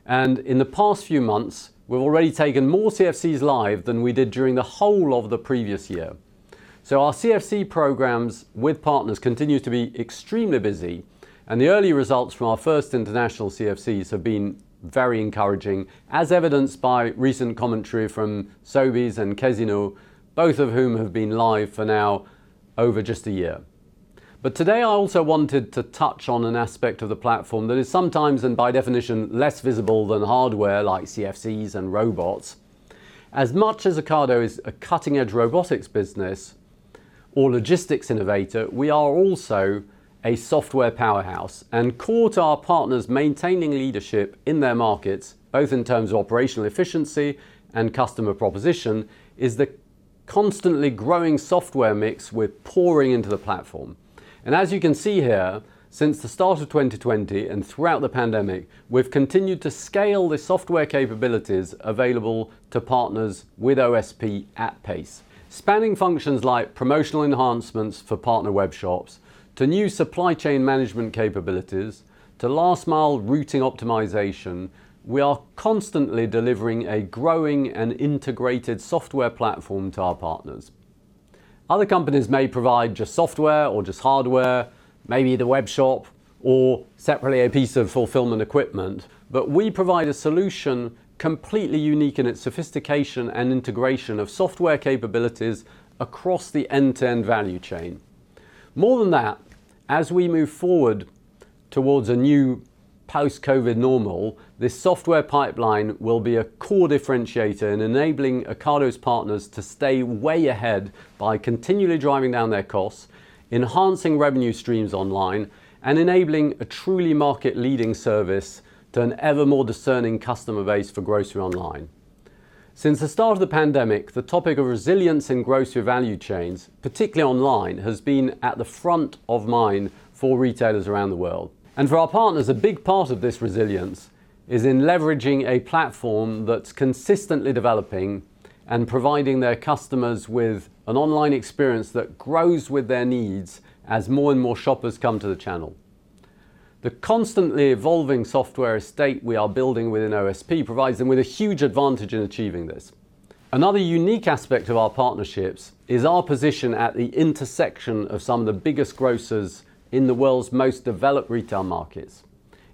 and in the past few months, we've already taken more CFCs live than we did during the whole of the previous year. Our CFC programs with partners continue to be extremely busy, and the early results from our first international CFCs have been very encouraging, as evidenced by recent commentary from Sobeys and Casino, both of whom have been live for now over just a year. Today I also wanted to touch on an aspect of the platform that is sometimes, and by definition, less visible than hardware, like CFCs and robots. As much as Ocado is a cutting-edge robotics business or logistics innovator, we are also a software powerhouse. Core to our partners maintaining leadership in their markets, both in terms of operational efficiency and customer proposition, is the constantly growing software mix we're pouring into the platform. As you can see here, since the start of 2020 and throughout the pandemic, we've continued to scale the software capabilities available to partners with OSP at pace. Spanning functions like promotional enhancements for partner web shops to new supply chain management capabilities to last-mile routing optimization, we are constantly delivering a growing and integrated software platform to our partners. Other companies may provide just software or just hardware, maybe the web shop or separately a piece of fulfillment equipment, but we provide a solution completely unique in its sophistication and integration of software capabilities across the end-to-end value chain. More than that, as we move forward towards a new post-COVID normal, this software pipeline will be a core differentiator in enabling Ocado's partners to stay way ahead by continually driving down their costs, enhancing revenue streams online, and enabling a truly market-leading service to an ever more discerning customer base for grocery online. Since the start of the pandemic, the topic of resilience in grocery value chains, particularly online, has been at the front of mind for retailers around the world. For our partners, a big part of this resilience is in leveraging a platform that's consistently developing and providing their customers with an online experience that grows with their needs as more and more shoppers come to the channel. The constantly evolving software estate we are building within OSP provides them with a huge advantage in achieving this. Another unique aspect of our partnerships is our position at the intersection of some of the biggest grocers in the world's most developed retail markets.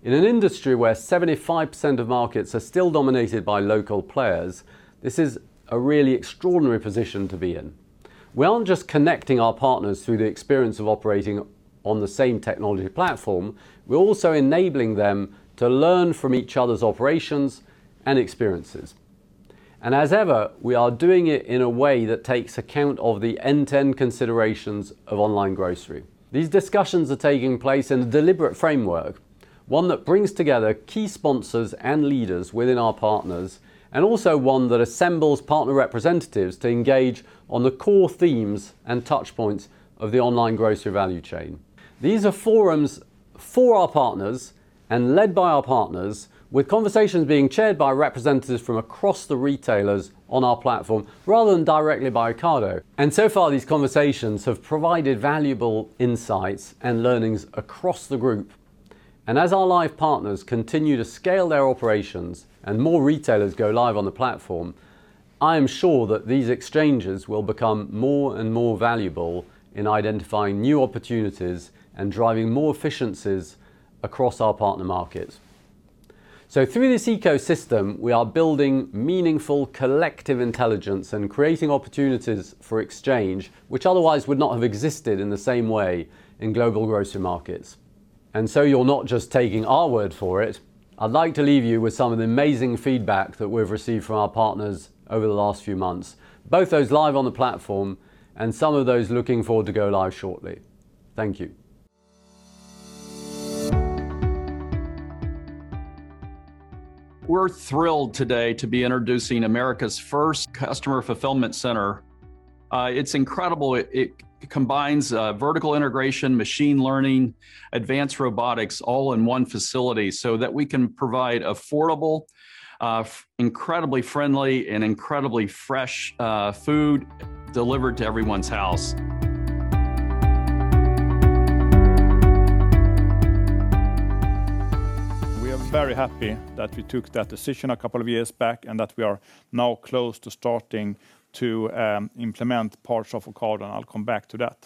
In an industry where 75% of markets are still dominated by local players, this is a really extraordinary position to be in. We aren't just connecting our partners through the experience of operating on the same technology platform, we're also enabling them to learn from each other's operations and experiences. As ever, we are doing it in a way that takes account of the end-to-end considerations of online grocery. These discussions are taking place in a deliberate framework, one that brings together key sponsors and leaders within our partners, and also one that assembles partner representatives to engage on the core themes and touch points of the online grocery value chain. These are forums for our partners and led by our partners, with conversations being chaired by representatives from across the retailers on our platform, rather than directly by Ocado. So far, these conversations have provided valuable insights and learnings across the group. As our live partners continue to scale their operations and more retailers go live on the platform, I am sure that these exchanges will become more and more valuable in identifying new opportunities and driving more efficiencies across our partner markets. Through this ecosystem, we are building meaningful collective intelligence and creating opportunities for exchange, which otherwise would not have existed in the same way in global grocery markets. You're not just taking our word for it, I'd like to leave you with some of the amazing feedback that we've received from our partners over the last few months, both those live on the platform and some of those looking forward to go live shortly. Thank you. We're thrilled today to be introducing America's first customer fulfillment center. It's incredible. It combines vertical integration, machine learning, advanced robotics, all in one facility so that we can provide affordable, incredibly friendly, and incredibly fresh food delivered to everyone's house. We are very happy that we took that decision a couple of years back and that we are now close to starting to implement parts of Ocado, and I'll come back to that.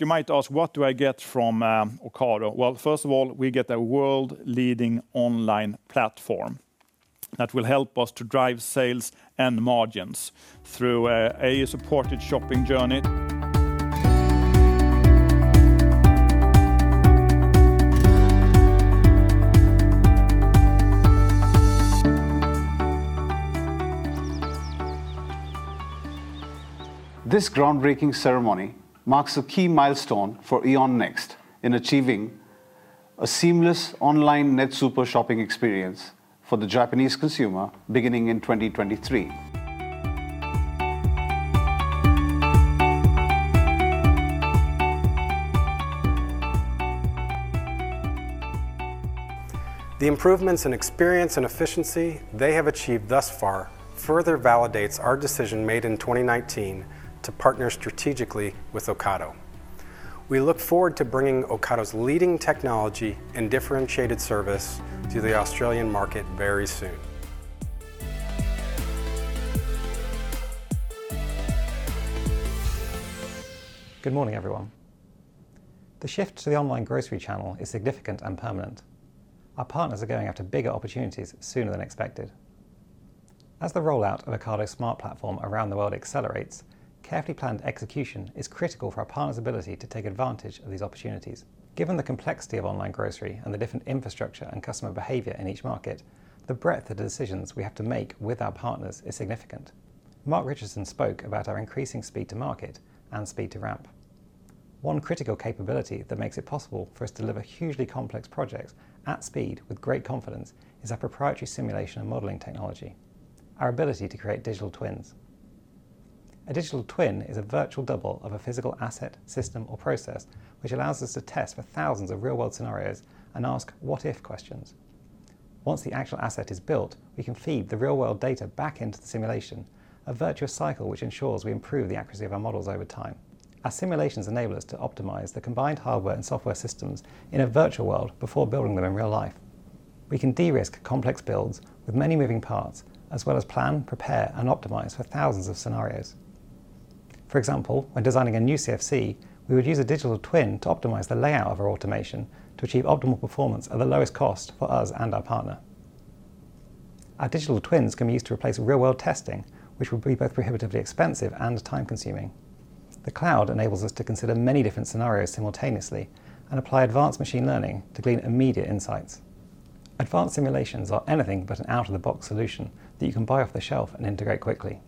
You might ask, what do I get from Ocado? Well, first of all, we get a world-leading online platform that will help us to drive sales and margins through a supported shopping journey. This groundbreaking ceremony marks a key milestone for AEON NEXT in achieving a seamless online net super shopping experience for the Japanese consumer beginning in 2023. The improvements in experience and efficiency they have achieved thus far further validates our decision made in 2019 to partner strategically with Ocado. We look forward to bringing Ocado's leading technology and differentiated service to the Australian market very soon. Good morning, everyone. The shift to the online grocery channel is significant and permanent. Our partners are getting out to bigger opportunities sooner than expected. As the rollout of Ocado Smart Platform around the world accelerates, carefully planned execution is critical for our partners' ability to take advantage of these opportunities. Given the complexity of online grocery and the different infrastructure and customer behavior in each market, the breadth of decisions we have to make with our partners is significant. Mark Richardson spoke about our increasing speed to market and speed to ramp. One critical capability that makes it possible for us to deliver hugely complex projects at speed with great confidence is our proprietary simulation and modeling technology, our ability to create digital twins. A digital twin is a virtual double of a physical asset, system, or process, which allows us to test for thousands of real-world scenarios and ask what if questions. Once the actual asset is built, we can feed the real-world data back into the simulation, a virtual cycle which ensures we improve the accuracy of our models over time. Our simulations enable us to optimize the combined hardware and software systems in a virtual world before building them in real life. We can de-risk complex builds with many moving parts, as well as plan, prepare, and optimize for thousands of scenarios. For example, when designing a new CFC, we would use a digital twin to optimize the layout of our automation to achieve optimal performance at the lowest cost for us and our partner. Our digital twins can be used to replace real-world testing, which would be both prohibitively expensive and time-consuming. The cloud enables us to consider many different scenarios simultaneously and apply advanced machine learning to gain immediate insights. Advanced simulations are anything but an out-of-the-box solution that you can buy off the shelf and integrate quickly.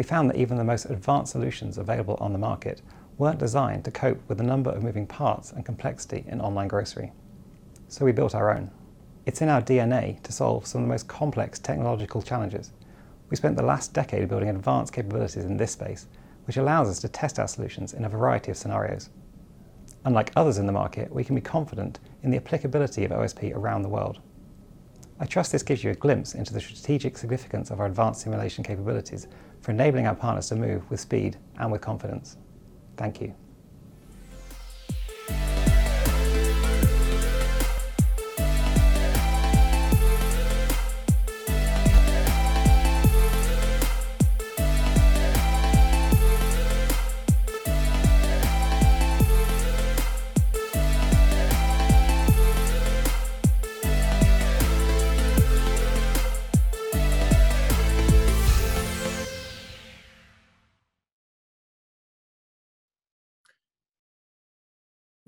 We found that even the most advanced solutions available on the market weren't designed to cope with the number of moving parts and complexity in online grocery, so we built our own. It's in our DNA to solve some of the most complex technological challenges. We spent the last decade building advanced capabilities in this space, which allows us to test our solutions in a variety of scenarios. Unlike others in the market, we can be confident in the applicability of OSP around the world. I trust this gives you a glimpse into the strategic significance of our advanced simulation capabilities for enabling our partners to move with speed and with confidence. Thank you.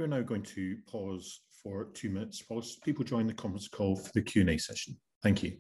We're now going to pause for two minutes while people join the conference call for the Q&A session. Thank you.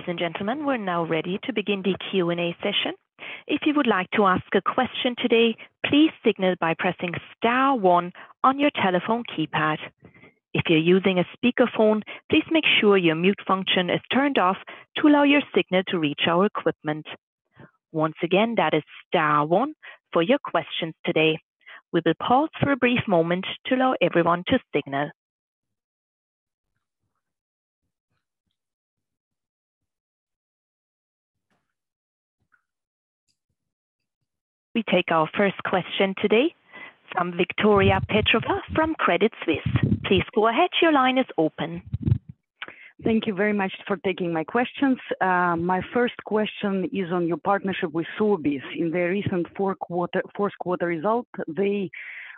Ladies and gentlemen, we're now ready to begin the Q&A session. If you would like to ask a question today, please signal by pressing star one on your telephone keypad. If you're using a speakerphone, please make sure your mute function is turned off to allow your signal to reach our equipment. Once again, that is star one for your questions today. We'll pause for a brief moment to allow everyone to signal. We take our first question today from Victoria Petrova from Credit Suisse. Please go ahead. Your line is open. Thank you very much for taking my questions. My first question is on your partnership with Sobeys. In their recent fourth quarter results, they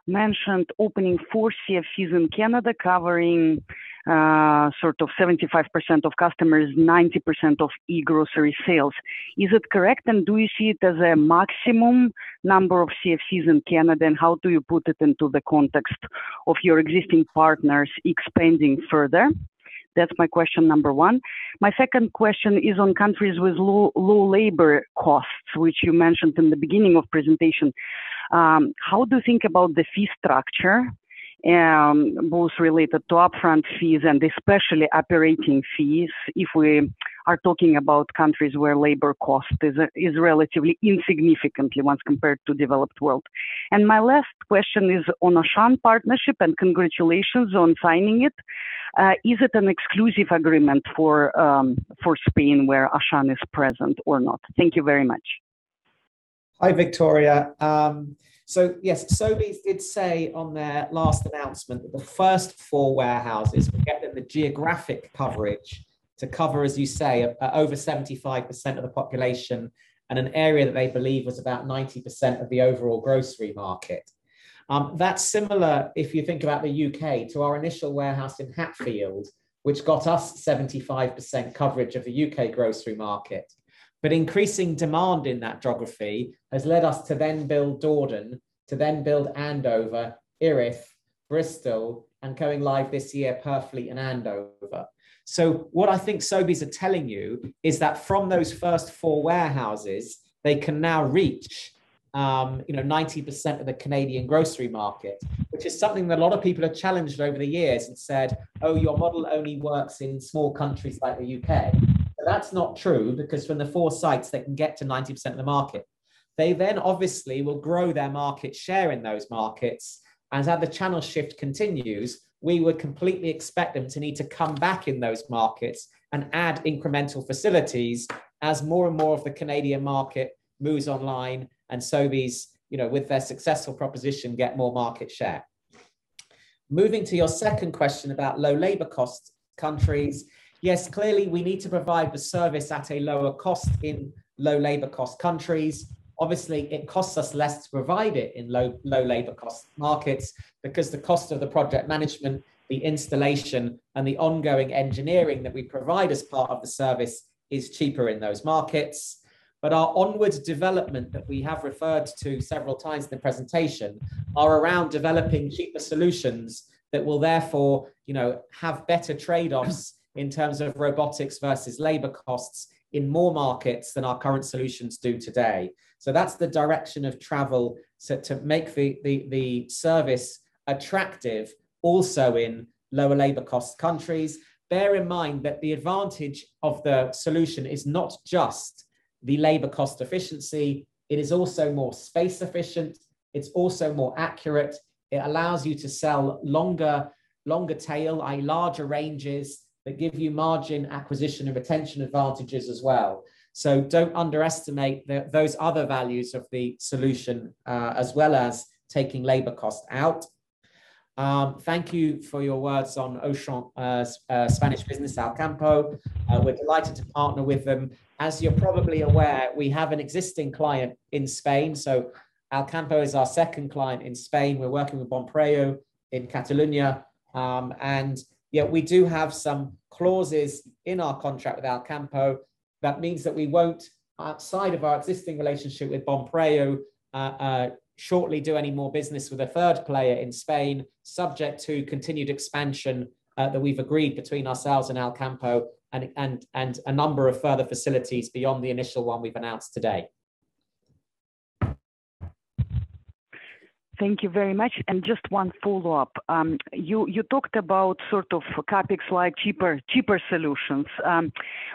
mentioned opening four CFCs in Canada, covering 75% of customers, 90% of e-grocery sales. Is it correct, do you see it as a maximum number of CFCs in Canada? How do you put it into the context of your existing partners expanding further? That's my question number one. My second question is on countries with low labor costs, which you mentioned in the beginning of presentation. How do you think about the fee structure, both related to upfront fees and especially operating fees, if we are talking about countries where labor cost is relatively insignificant when compared to developed world? My last question is on Auchan partnership, and congratulations on signing it. Is it an exclusive agreement for Spain, where Auchan is present or not? Thank you very much. Hi, Victoria. Yes, Sobeys did say on their last announcement that the first four warehouses get them the geographic coverage to cover, as you say, over 75% of the population and an area that they believe is about 90% of the overall grocery market. That's similar, if you think about the U.K., to our initial warehouse in Hatfield, which got us 75% coverage of the U.K. grocery market. Increasing demand in that geography has led us to then build Dordon, to then build Andover, Erith, Bristol, and coming live this year, Purfleet and Andover. What I think Sobeys are telling you is that from those first four warehouses, they can now reach 90% of the Canadian grocery market. This is something that a lot of people have challenged over the years and said, "Oh, your model only works in small countries like the U.K." That's not true, because from the 4 sites, they can get to 90% of the market. They obviously will grow their market share in those markets. As the channel shift continues, we would completely expect them to need to come back in those markets and add incremental facilities as more and more of the Canadian market moves online and Sobeys, with their successful proposition, get more market share. Moving to your second question about low labor cost countries. Yes, clearly, we need to provide the service at a lower cost in low labor cost countries. Obviously, it costs us less to provide it in low labor cost markets because the cost of the project management, the installation, and the ongoing engineering that we provide as part of the service is cheaper in those markets. Our onwards development that we have referred to several times in the presentation are around developing cheaper solutions that will therefore have better trade-offs in terms of robotics versus labor costs in more markets than our current solutions do today. That's the direction of travel. To make the service attractive also in low labor cost countries, bear in mind that the advantage of the solution is not just the labor cost efficiency. It is also more space efficient. It's also more accurate. It allows you to sell longer tail, i.e., larger ranges, that give you margin acquisition and retention advantages as well. Don't underestimate those other values of the solution, as well as taking labor costs out. Thank you for your words on Auchan's Spanish business, Alcampo. We're delighted to partner with them. As you're probably aware, we have an existing client in Spain, so Alcampo is our second client in Spain. We're working with Bonpreu in Catalunya. Yet we do have some clauses in our contract with Alcampo that means that we won't, outside of our existing relationship with Bonpreu, shortly do any more business with a third player in Spain, subject to continued expansion, that we've agreed between ourselves and Alcampo and a number of further facilities beyond the initial one we've announced today. Thank you very much. Just one follow-up. You talked about CapEx-light, cheaper solutions.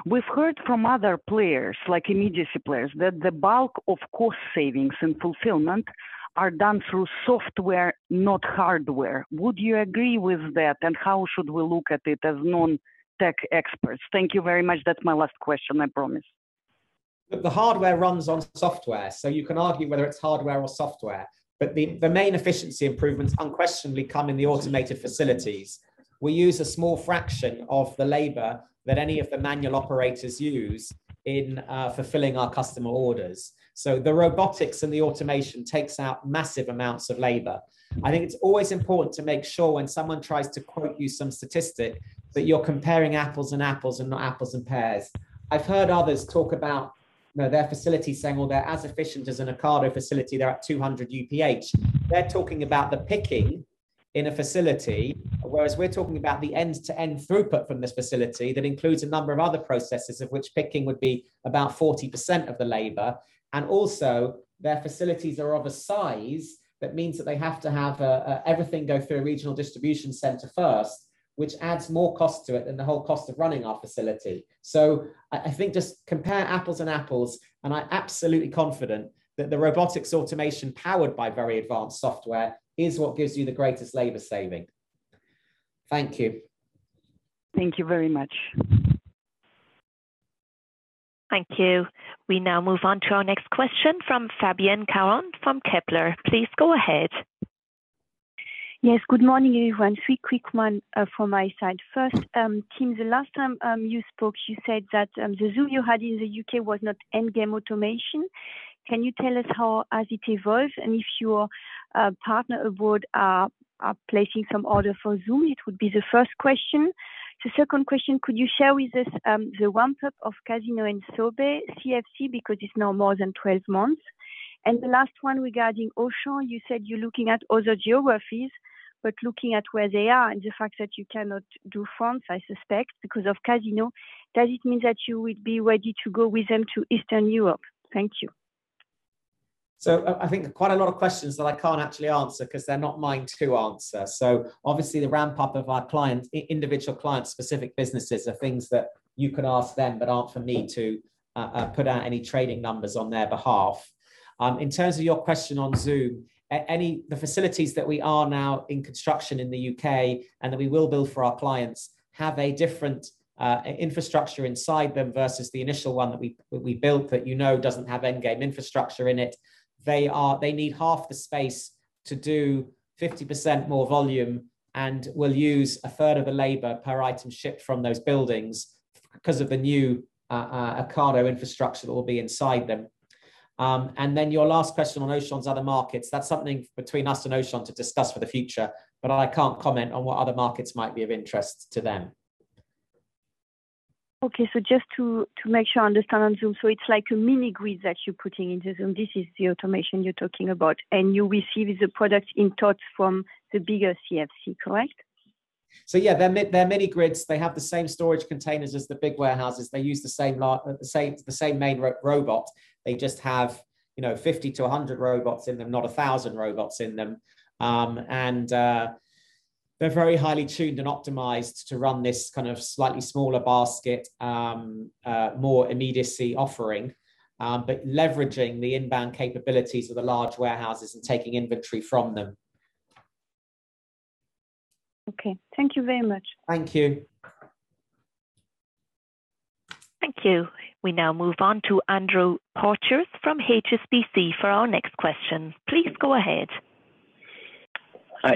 We've heard from other players, like immediacy players, that the bulk of cost savings and fulfillment are done through software, not hardware. Would you agree with that? How should we look at it as non-tech experts? Thank you very much. That's my last question, I promise. The hardware runs on software. You can argue whether it's hardware or software. The main efficiency improvements unquestionably come in the automated facilities. We use a small fraction of the labor that any of the manual operators use in fulfilling our customer orders. The robotics and the automation takes out massive amounts of labor. I think it's always important to make sure when someone tries to quote you some statistic, that you're comparing apples and apples and not apples and pears. I've heard others talk about their facility saying, well, they're as efficient as an Ocado facility. They're at 200 UPH. They're talking about the picking in a facility, whereas we are talking about the end-to-end throughput from this facility that includes a number of other processes of which picking would be about 40% of the labor, and also their facilities are of a size that means that they have to have everything go through a regional distribution center first, which adds more cost to it than the whole cost of running our facility. I think just compare apples and apples, and I am absolutely confident that the robotics automation powered by very advanced software is what gives you the greatest labor saving. Thank you. Thank you very much. Thank you. We now move on to our next question from Fabienne Caron from Kepler. Please go ahead. Yes, good morning, everyone. Three quick one from my side. First, Tim, the last time you spoke, you said that the Zoom you had in the U.K. was not end game automation. Can you tell us how as it evolves and if your partner aboard are placing some order for Zoom? It would be the first question. The second question, could you share with us the ramp-up of Casino in Fleury-Mérogis, CFC, because it's now more than 12 months? The last one regarding Auchan, you said you're looking at other geographies, but looking at where they are and the fact that you cannot do France, I suspect because of Casino, does it mean that you would be ready to go with them to Eastern Europe? Thank you. I think quite a lot of questions that I can't actually answer because they're not mine to answer. Obviously the ramp-up of our individual client-specific businesses are things that you could ask them that aren't for me to put out any trading numbers on their behalf. In terms of your question on Ocado Zoom, the facilities that we are now in construction in the U.K., and that we will build for our clients, have a different infrastructure inside them versus the initial one that we built that you know doesn't have end game infrastructure in it. They need half the space to do 50% more volume and will use a third of the labor per item shipped from those buildings because of the new Ocado infrastructure that will be inside them. Your last question on Auchan's other markets, that's something between us and Auchan to discuss for the future. I can't comment on what other markets might be of interest to them. Okay. Just to make sure I understand Zoom, so it's like a mini grid that you're putting into Zoom. This is the automation you're talking about, and you'll be receiving the product in eaches from the bigger CFC, correct? Yeah, they're mini grids. They have the same storage containers as the big warehouses. They use the same main robot. They just have 50-100 robots in them, not 1,000 robots in them. They're very highly tuned and optimized to run this kind of slightly smaller basket, more immediacy offering, but leveraging the inbound capabilities of the large warehouses and taking inventory from them. Okay. Thank you very much. Thank you. Thank you. We now move on to Andrew Porteous from HSBC for our next question. Please go ahead.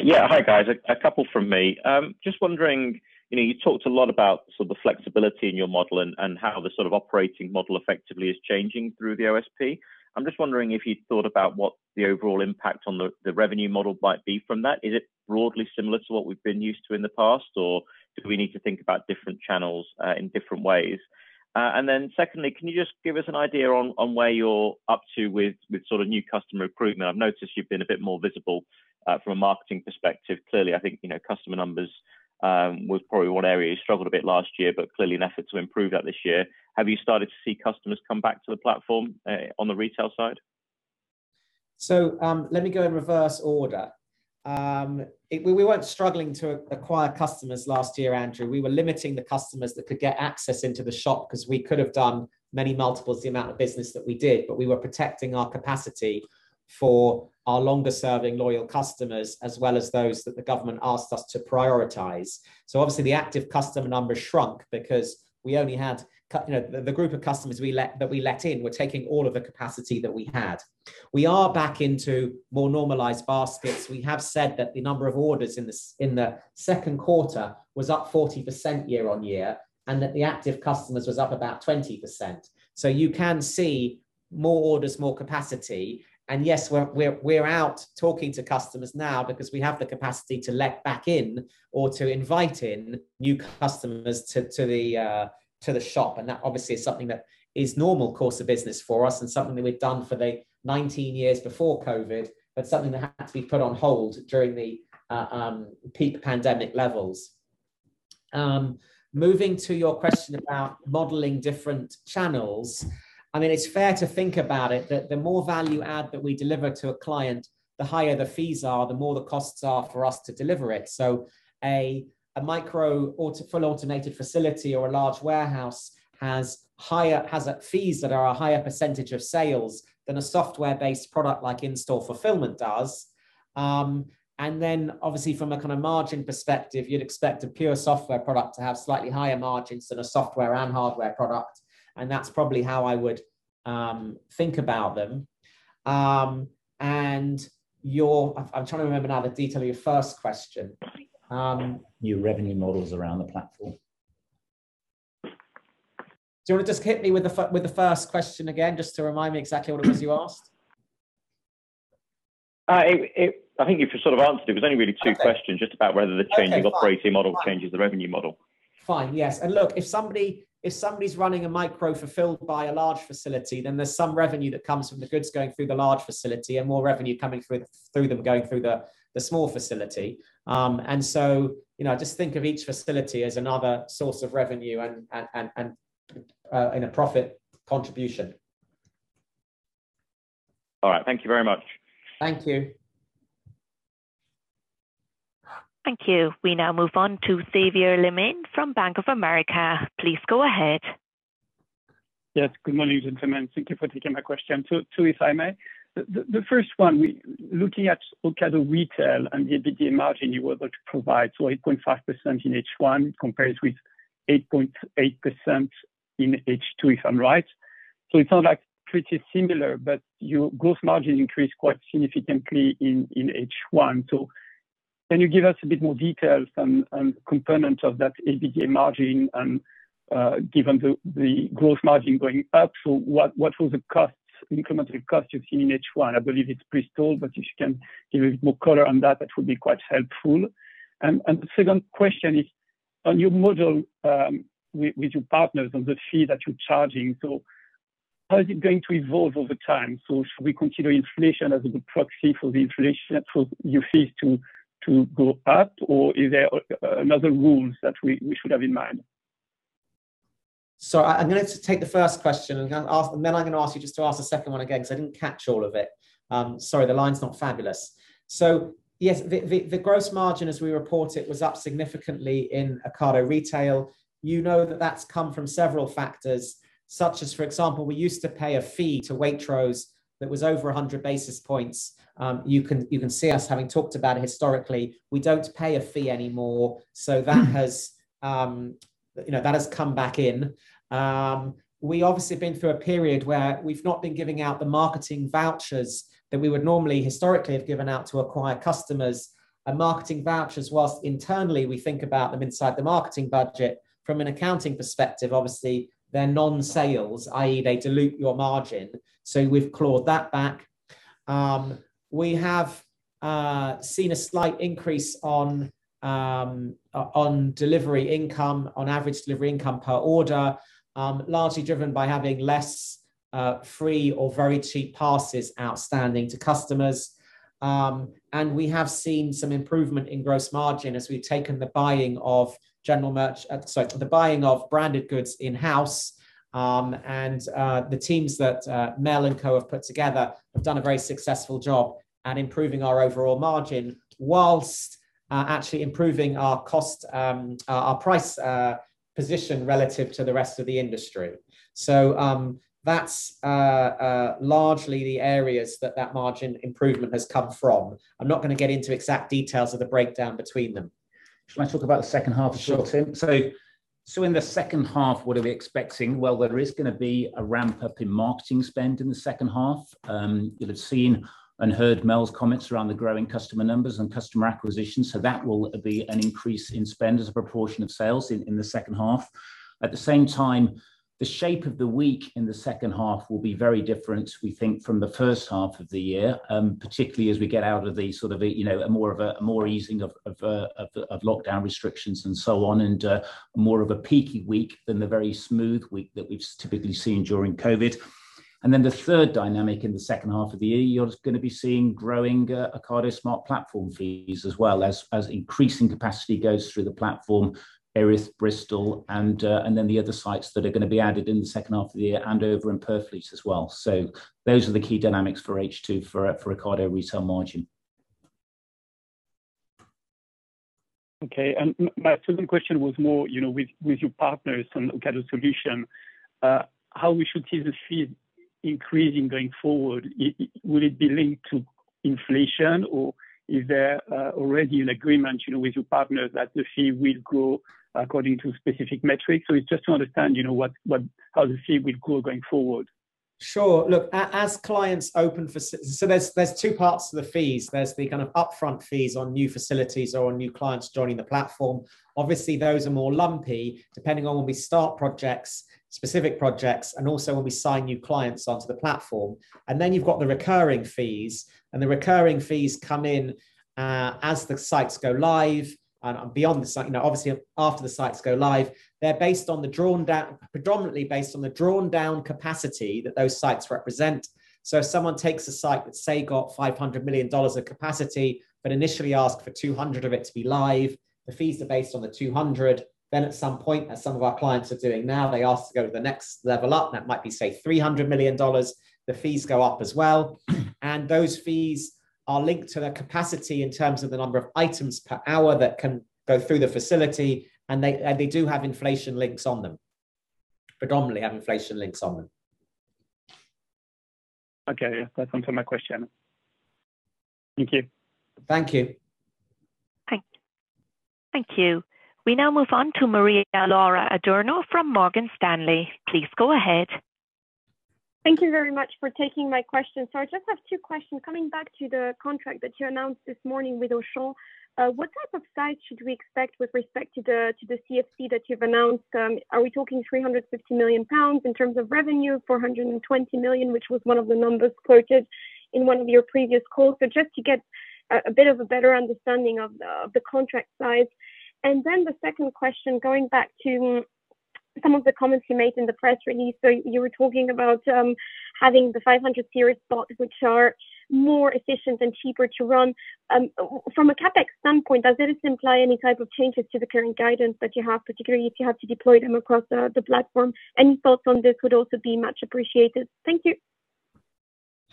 Yeah. Hi, guys. A couple from me. Just wondering, you talked a lot about sort of flexibility in your model and how the sort of operating model effectively is changing through the OSP. I'm just wondering if you'd thought about what the overall impact on the revenue model might be from that. Is it broadly similar to what we've been used to in the past, or do we need to think about different channels in different ways? Then secondly, can you just give us an idea on where you're up to with sort of new customer recruitment? I've noticed you've been a bit more visible from a marketing perspective. Clearly, I think, customer numbers were probably one area you struggled a bit last year, but clearly an effort to improve that this year. Have you started to see customers come back to the platform on the Retail side? Let me go in reverse order. We weren't struggling to acquire customers last year, Andrew. We were limiting the customers that could get access into the shop because we could have done many multiples the amount of business that we did, but we were protecting our capacity for our longer-serving loyal customers, as well as those that the government asked us to prioritize. Obviously, the active customer numbers shrunk because the group of customers that we let in were taking all of the capacity that we had. We are back into more normalized baskets. We have said that the number of orders in the second quarter was up 40% year on year, and that the active customers was up about 20%. You can see more orders, more capacity, and yes, we're out talking to customers now because we have the capacity to let back in or to invite in new customers to the shop. That obviously is something that is normal course of business for us and something that we'd done for the 19 years before COVID, but something that had to be put on hold during the peak pandemic levels. Moving to your question about modeling different channels, it's fair to think about it that the more value add that we deliver to a client, the higher the fees are, the more the costs are for us to deliver it. A micro full automated facility or a large warehouse has fees that are a higher percentage of sales than a software-based product like in-store fulfillment does. Obviously from a kind of margin perspective, you'd expect a pure software product to have slightly higher margins than a software and hardware product. That's probably how I would think about them. I'm trying to remember now the detail of your first question. New revenue models around the platform. Do you want to just hit me with the first question again just to remind me exactly what it was you asked? I think you've sort of answered it. There's only really two questions. Just about whether the changing- Okay, fine operating model changes the revenue model. Fine, yes. Look, if somebody's running a micro fulfilled by a large facility, then there's some revenue that comes from the goods going through the large facility and more revenue coming through them going through the small facility. Just think of each facility as another source of revenue and a profit contribution. All right. Thank you very much. Thank you. Thank you. We now move on to Xavier Le Mené from Bank of America. Please go ahead. Yes, good morning, gentlemen. Thank you for taking my question. Two if I may. The first one, looking at Ocado Retail and the EBITDA margin you were able to provide, 8.5% in H1 compares with 8.8% in H2, if I'm right. It sounds like pretty similar, but your gross margin increased quite significantly in H1. Can you give us a bit more details and components of that EBITDA margin and, given the gross margin going up, what were the incremental costs you've seen in H1? I believe it's pre-stalled, but if you can give a bit more color on that would be quite helpful. The second question is, on your model, with your partners on the fee that you're charging, how is it going to evolve over time? Should we consider inflation as a good proxy for your fees to go up, or are there other rules that we should have in mind? I'm going to take the first question, and then I'm going to ask you just to ask the second one again, because I didn't catch all of it. Sorry, the line's not fabulous. Yes, the gross margin as we report it was up significantly in Ocado Retail. You know that that's come from several factors, such as, for example, we used to pay a fee to Waitrose that was over 100 basis points. You can see us having talked about it historically. We don't pay a fee anymore. That has come back in. We obviously have been through a period where we've not been giving out the marketing vouchers that we would normally historically have given out to acquire customers. Marketing vouchers, whilst internally we think about them inside the marketing budget, from an accounting perspective, obviously they're non-sales, i.e., they dilute your margin. We've clawed that back. We have seen a slight increase on delivery income, on average delivery income per order, largely driven by having less free or very cheap passes outstanding to customers. We have seen some improvement in gross margin as we've taken the buying of branded goods in-house. The teams that Mel and co. have put together have done a very successful job at improving our overall margin whilst actually improving our price position relative to the rest of the industry. That's largely the areas that that margin improvement has come from. I'm not going to get into exact details of the breakdown between them. Shall I talk about the second half as well, Tim? Sure. In the second half, what are we expecting? Well, there is going to be a ramp-up in marketing spend in the second half. You'll have seen and heard Mel's comments around the growing customer numbers and customer acquisition. That will be an increase in spend as a proportion of sales in the second half. At the same time, the shape of the week in the second half will be very different, we think, from the first half of the year, particularly as we get out of more of a easing of lockdown restrictions and so on, and more of a peaky week than the very smooth week that we've typically seen during COVID. The third dynamic in the second half of the year, you're going to be seeing growing Ocado Smart Platform fees as well, as increasing capacity goes through the platform, Erith, Bristol, and then the other sites that are going to be added in the second half of the year, Andover and Purfleet as well. Those are the key dynamics for H2 for Ocado Retail margin. Okay. My second question was more with your partners on Ocado Solutions, how we should see the fee increasing going forward. Will it be linked to inflation, or is there already an agreement with your partners that the fee will grow according to specific metrics? Just to understand how the fee will grow going forward. Sure. Look, there's two parts to the fees. There's the upfront fees on new facilities or on new clients joining the platform. Obviously, those are more lumpy depending on when we start projects, specific projects, and also when we sign new clients onto the platform. You've got the recurring fees. The recurring fees come in as the sites go live, and obviously after the sites go live. They're predominantly based on the drawn-down capacity that those sites represent. If someone takes a site that's, say, got $500 million of capacity but initially asks for 200 of it to be live, the fees are based on the 200. At some point, as some of our clients are doing now, they ask to go to the next level up. That might be, say, $300 million. The fees go up as well. Those fees are linked to the capacity in terms of the number of items per hour that can go through the facility, and they do have inflation links on them. Predominantly have inflation links on them. Okay, that's it for my question. Thank you. Thank you. Thank you. We now move on to Maria-Laura Adurno from Morgan Stanley. Please go ahead. Thank you very much for taking my question. I just have two questions. Coming back to the contract that you announced this morning with Auchan, what type of size should we expect with respect to the CFC that you've announced? Are we talking 350 million pounds in terms of revenue, 420 million, which was one of the numbers quoted in one of your previous calls? Just to get a bit of a better understanding of the contract size. The second question, going back to some of the comments you made in the press release. You were talking about having the 500 Series Bots, which are more efficient and cheaper to run. From a CapEx standpoint, does this imply any type of changes to the current guidance that you have, particularly if you have to deploy them across the platform? Any thoughts on this would also be much appreciated. Thank you.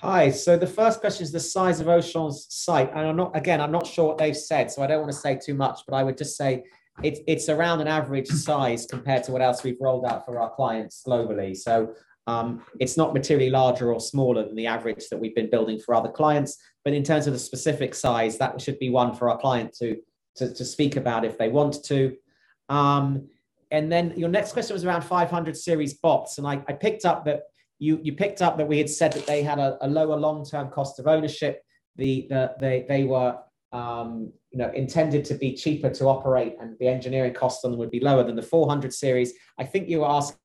Hi. The first question is the size of Auchan's site, and again, I'm not sure what they've said, so I don't want to say too much, but I would just say it's around an average size compared to what else we've rolled out for our clients globally. It's not materially larger or smaller than the average that we've been building for other clients. In terms of the specific size, that should be one for our client to speak about if they wanted to. Your next question was around 500 Series bots, and you picked up that we had said that they had a lower long-term cost of ownership. They were intended to be cheaper to operate, and the engineering cost on them would be lower than the 400 Series. I think you asked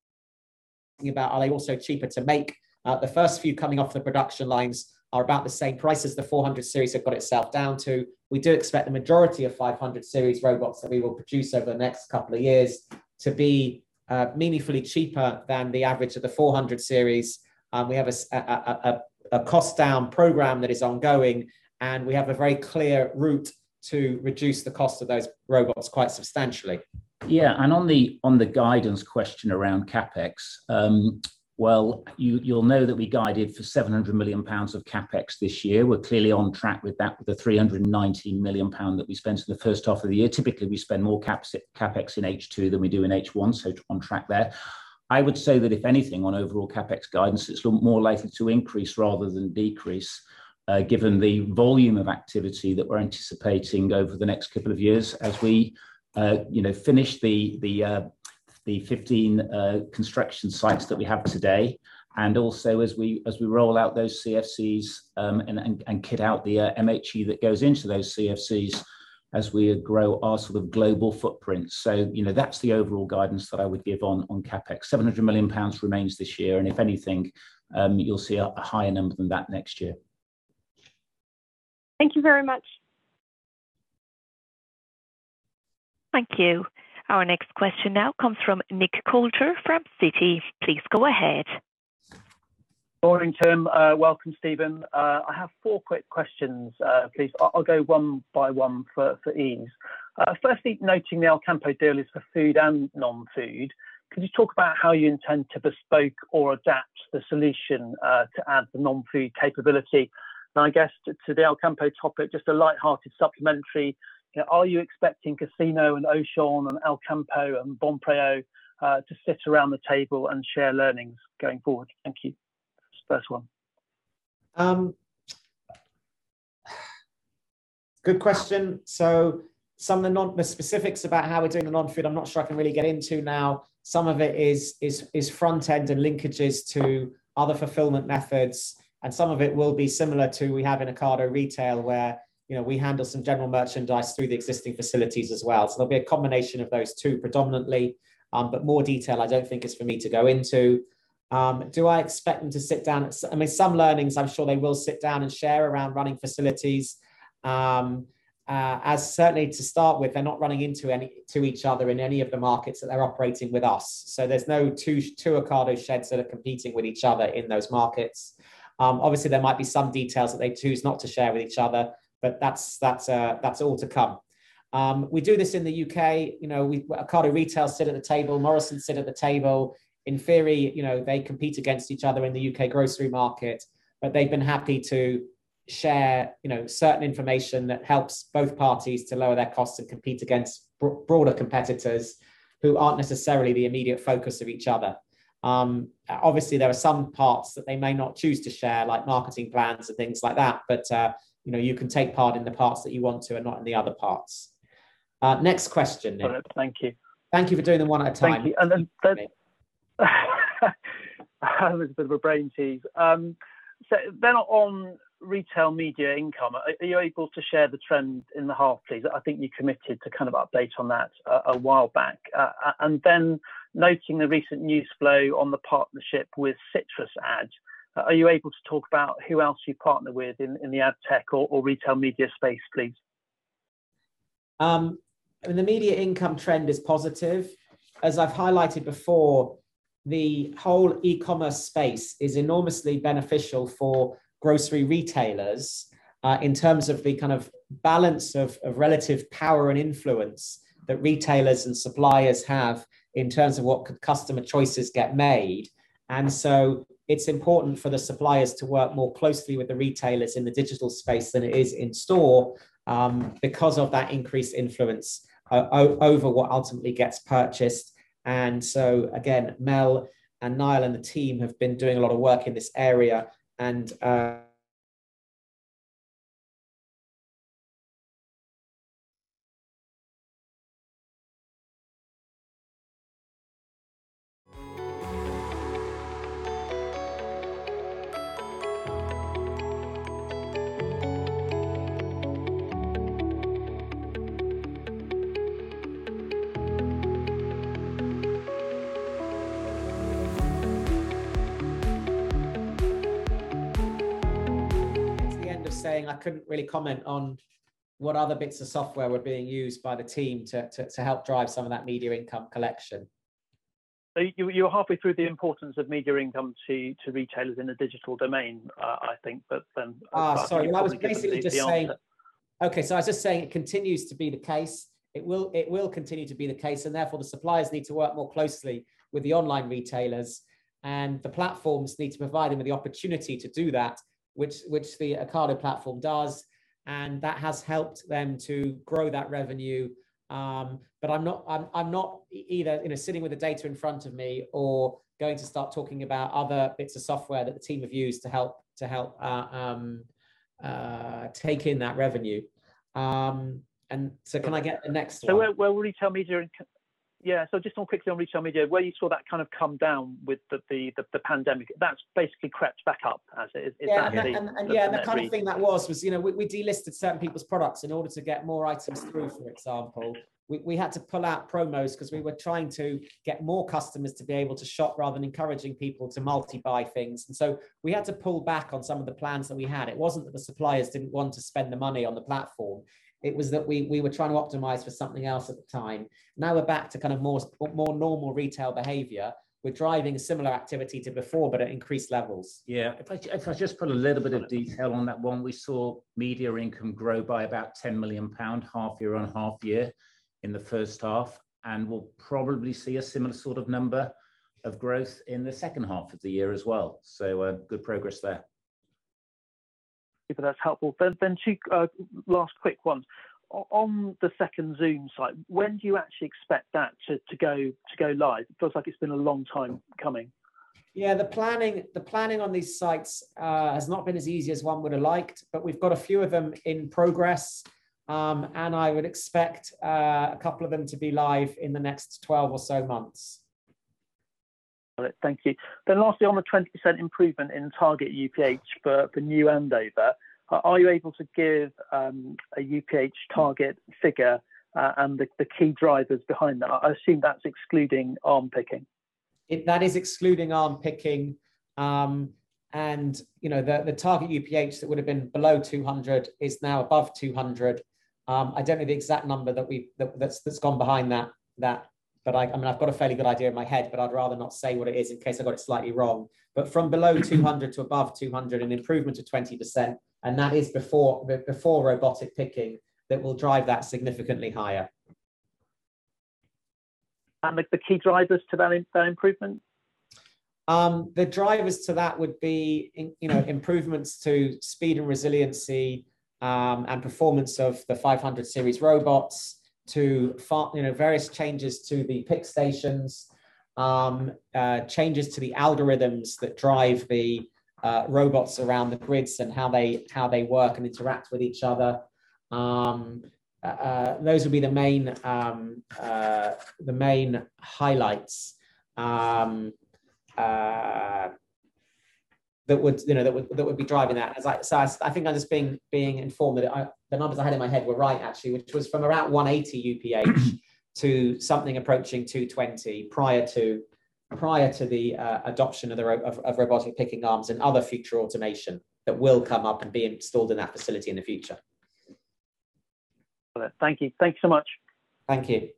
about are they also cheaper to make. The first few coming off the production lines are about the same price as the 400 Series have got itself down to. We do expect the majority of 500 Series Bots that we will produce over the next couple of years to be meaningfully cheaper than the average of the 400 Series. We have a cost-down program that is ongoing, and we have a very clear route to reduce the cost of those robots quite substantially. On the guidance question around CapEx, well, you'll know that we guided for 700 million pounds of CapEx this year. We're clearly on track with that, with the 319 million pound that we spent in the H1 of the year. Typically, we spend more CapEx in H2 than we do in H1, so on track there. I would say that if anything, on overall CapEx guidance, it's more likely to increase rather than decrease, given the volume of activity that we're anticipating over the next couple of years as we finish the 15 construction sites that we have today and also as we roll out those CFCs and kit out the MHE that goes into those CFCs as we grow our global footprint. That's the overall guidance that I would give on CapEx. 700 million pounds remains this year, and if anything, you'll see a higher number than that next year. Thank you very much. Thank you. Our next question now comes from Nick Coulter from Citi. Please go ahead. Morning, Tim. Welcome, Stephen Daintith. I have four quick questions. Please, I'll go one by one for ease. Firstly, noting the Alcampo deal is for food and non-food, can you talk about how you intend to bespoke or adapt the solution to add the non-food capability? I guess to the Alcampo topic, just a light-hearted supplementary. Are you expecting Casino and Auchan and Alcampo and Bonpreu to sit around the table and share learnings going forward? Thank you. First one. Good question. Some of the specifics about how we're doing the non-food, I'm not sure I can really get into now. Some of it is front end and linkages to other fulfillment methods, and some of it will be similar to we have in Ocado Retail where we handle some general merchandise through the existing facilities as well. There'll be a combination of those two predominantly, but more detail I don't think is for me to go into. I mean, some learnings I'm sure they will sit down and share around running facilities. As certainly to start with, they're not running into each other in any of the markets that they're operating with us. There's no two Ocado sheds that are competing with each other in those markets. Obviously, there might be some details that they choose not to share with each other, but that's all to come. We do this in the U.K. Ocado Retail sit at the table, Morrisons sit at the table. In theory, they compete against each other in the U.K. grocery market, but they've been happy to share certain information that helps both parties to lower their costs and compete against broader competitors who aren't necessarily the immediate focus of each other. Obviously, there are some parts that they may not choose to share, like marketing plans and things like that. You can take part in the parts that you want to, and not in the other parts. Next question, Nick. No, thank you. Thank you for doing them one at a time. Thank you. It was a bit of a brain tease. On retail media income, are you able to share the trend in the half, please? I think you committed to kind of update on that a while back. Noting the recent news flow on the partnership with CitrusAd, are you able to talk about who else you partner with in the ad tech or retail media space, please? The media income trend is positive. As I've highlighted before, the whole e-commerce space is enormously beneficial for grocery retailers in terms of the kind of balance of relative power and influence that retailers and suppliers have in terms of what customer choices get made. It's important for the suppliers to work more closely with the retailers in the digital space than it is in store because of that increased influence over what ultimately gets purchased. Again, Mel and Niall and the team have been doing a lot of work in this area, and At the end of saying I couldn't really comment on what other bits of software were being used by the team to help drive some of that media income collection. You were halfway through the importance of media income to retailers in a digital domain, I think. Sorry. No, I was basically just saying it continues to be the case. It will continue to be the case, and therefore the suppliers need to work more closely with the online retailers, and the platforms need to provide them with the opportunity to do that, which the Ocado platform does, and that has helped them to grow that revenue. But I'm not either sitting with the data in front of me or going to start talking about other bits of software that the team have used to help take in that revenue. Can I get the next one? Retail media, where you saw that kind of come down with the pandemic, that is basically crept back up as it is. Yeah. The kind of thing that was, we delisted certain people's products in order to get more items through, for example. We had to pull out promos because we were trying to get more customers to be able to shop rather than encouraging people to multi-buy things. We had to pull back on some of the plans that we had. It wasn't that the suppliers didn't want to spend the money on the platform. It was that we were trying to optimize for something else at the time. Now we're back to kind of more normal retail behavior. We're driving similar activity to before, but at increased levels. Yeah. If I just put a little bit of detail on that one, we saw media income grow by about 10 million pound, half-year-on-half-year in the first half. We'll probably see a similar sort of number of growth in the second half of the year as well. Good progress there. That's helpful. Two last quick ones. On the second Zoom site, when do you actually expect that to go live? It feels like it's been a long time coming. Yeah, the planning on these sites has not been as easy as one would've liked, but we've got a few of them in progress. I would expect a couple of them to be live in the next 12 or so months. Got it. Thank you. Lastly, on the 20% improvement in target UPH for new Andover, are you able to give a UPH target figure, and the key drivers behind that? I assume that is excluding arm picking. That is excluding arm picking. The target UPH that would've been below 200 is now above 200. I don't know the exact number that's gone behind that, but I've got a fairly good idea in my head, but I'd rather not say what it is in case I've got it slightly wrong. From below 200 to above 200, an improvement of 20%, and that is before robotic picking that will drive that significantly higher. The key drivers to that improvement? The drivers to that would be improvements to speed and resiliency, and performance of the 500 Series Bots to various changes to the pick stations. Changes to the algorithms that drive the robots around the grids and how they work and interact with each other. Those would be the main highlights that would be driving that. I think I'm just being informed that the numbers I had in my head were right actually, which was from around 180 UPH to something approaching 220 prior to the adoption of robotic picking arms and other future automation that will come up and be installed in that facility in the future. Got it. Thank you. Thanks so much. Thank you.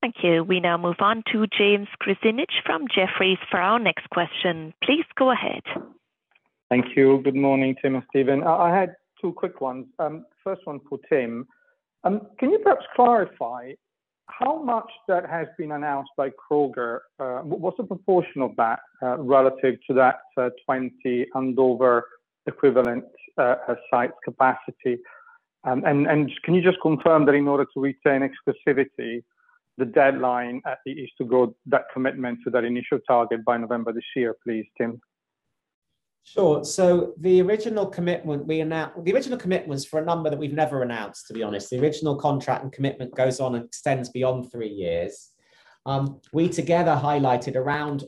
Thank you. We now move on to James Grzinic from Jefferies for our next question. Please go ahead. Thank you. Good morning, Tim and Stephen. I had two quick ones. First one for Tim. Can you perhaps clarify How much that has been announced by Kroger, what's the proportion of that relative to that 20 and over equivalent site capacity? Can you just confirm that in order to retain exclusivity, the deadline is to build that commitment to that initial target by November this year, please, Tim? Sure. The original commitment was for a number that we've never announced, to be honest. The original contract and commitment goes on and extends beyond three years. We together highlighted around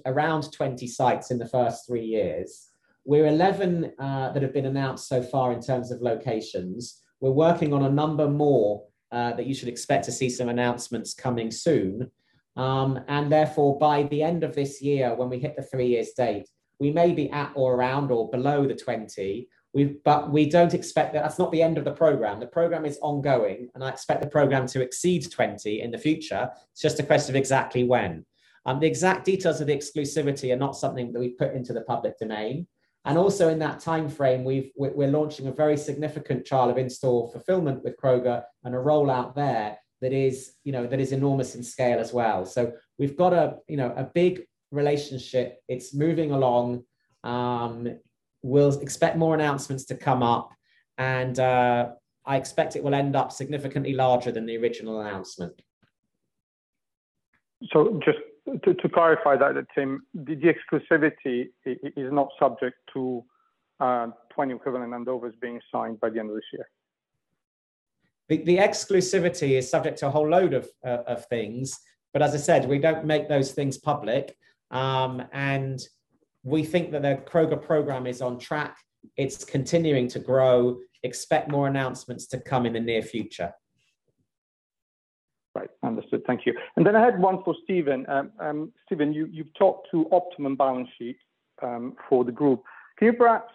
20 sites in the first three years. We're 11 that have been announced so far in terms of locations. We're working on a number more that you should expect to see some announcements coming soon. Therefore, by the end of this year, when we hit the three-year date, we may be at or around or below the 20. That's not the end of the program. The program is ongoing, and I expect the program to exceed 20 in the future. It's just a question of exactly when. The exact details of the exclusivity are not something that we put into the public domain. Also in that timeframe, we're launching a very significant trial of in-store fulfillment with Kroger and a rollout there that is enormous in scale as well. We've got a big relationship. It's moving along. We'll expect more announcements to come up, and I expect it will end up significantly larger than the original announcement. Just to clarify that, Tim, the exclusivity is not subject to 20 equivalent CFCs being signed by the end of this year? The exclusivity is subject to a whole load of things, but as I said, we don't make those things public. We think that the Kroger program is on track. It's continuing to grow. Expect more announcements to come in the near future. Right. Understood. Thank you. I had one for Stephen. Stephen, you've talked to optimum balance sheets for the group. Can you perhaps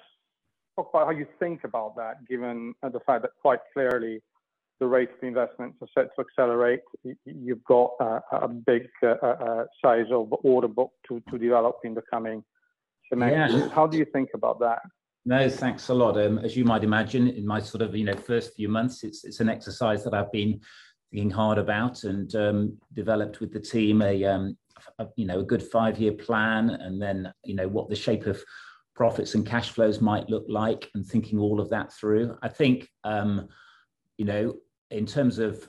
talk about how you think about that, given the fact that quite clearly the rates of investment are set to accelerate? You've got a big size of order book to develop in the coming months. Yeah. How do you think about that? No, thanks a lot. As you might imagine, in my sort of first few months, it's an exercise that I've been thinking hard about and developed with the team a good five-year plan, and then what the shape of profits and cash flows might look like, and thinking all of that through. I think, in terms of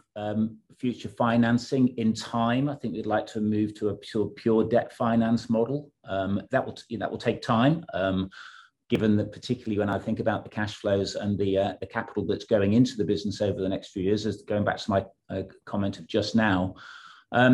future financing, in time, I think we'd like to move to a pure debt finance model. That will take time, given that particularly when I think about the cash flows and the capital that's going into the business over the next few years, going back to my comment of just now. I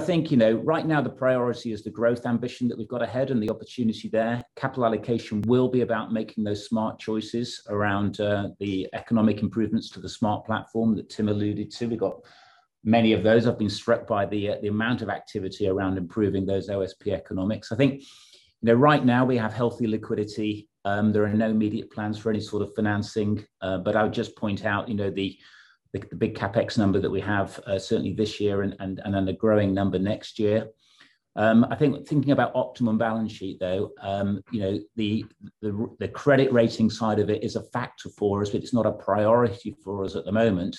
think right now the priority is the growth ambition that we've got ahead and the opportunity there. Capital allocation will be about making those smart choices around the economic improvements to the Ocado Smart Platform that Tim alluded to. We've got many of those. I've been struck by the amount of activity around improving those OSP economics. I think right now we have healthy liquidity. There are no immediate plans for any sort of financing. I'll just point out, the CapEx number that we have, certainly this year and then a growing number next year. I think thinking about optimum balance sheet, though, the credit rating side of it is a factor for us, but it's not a priority for us at the moment.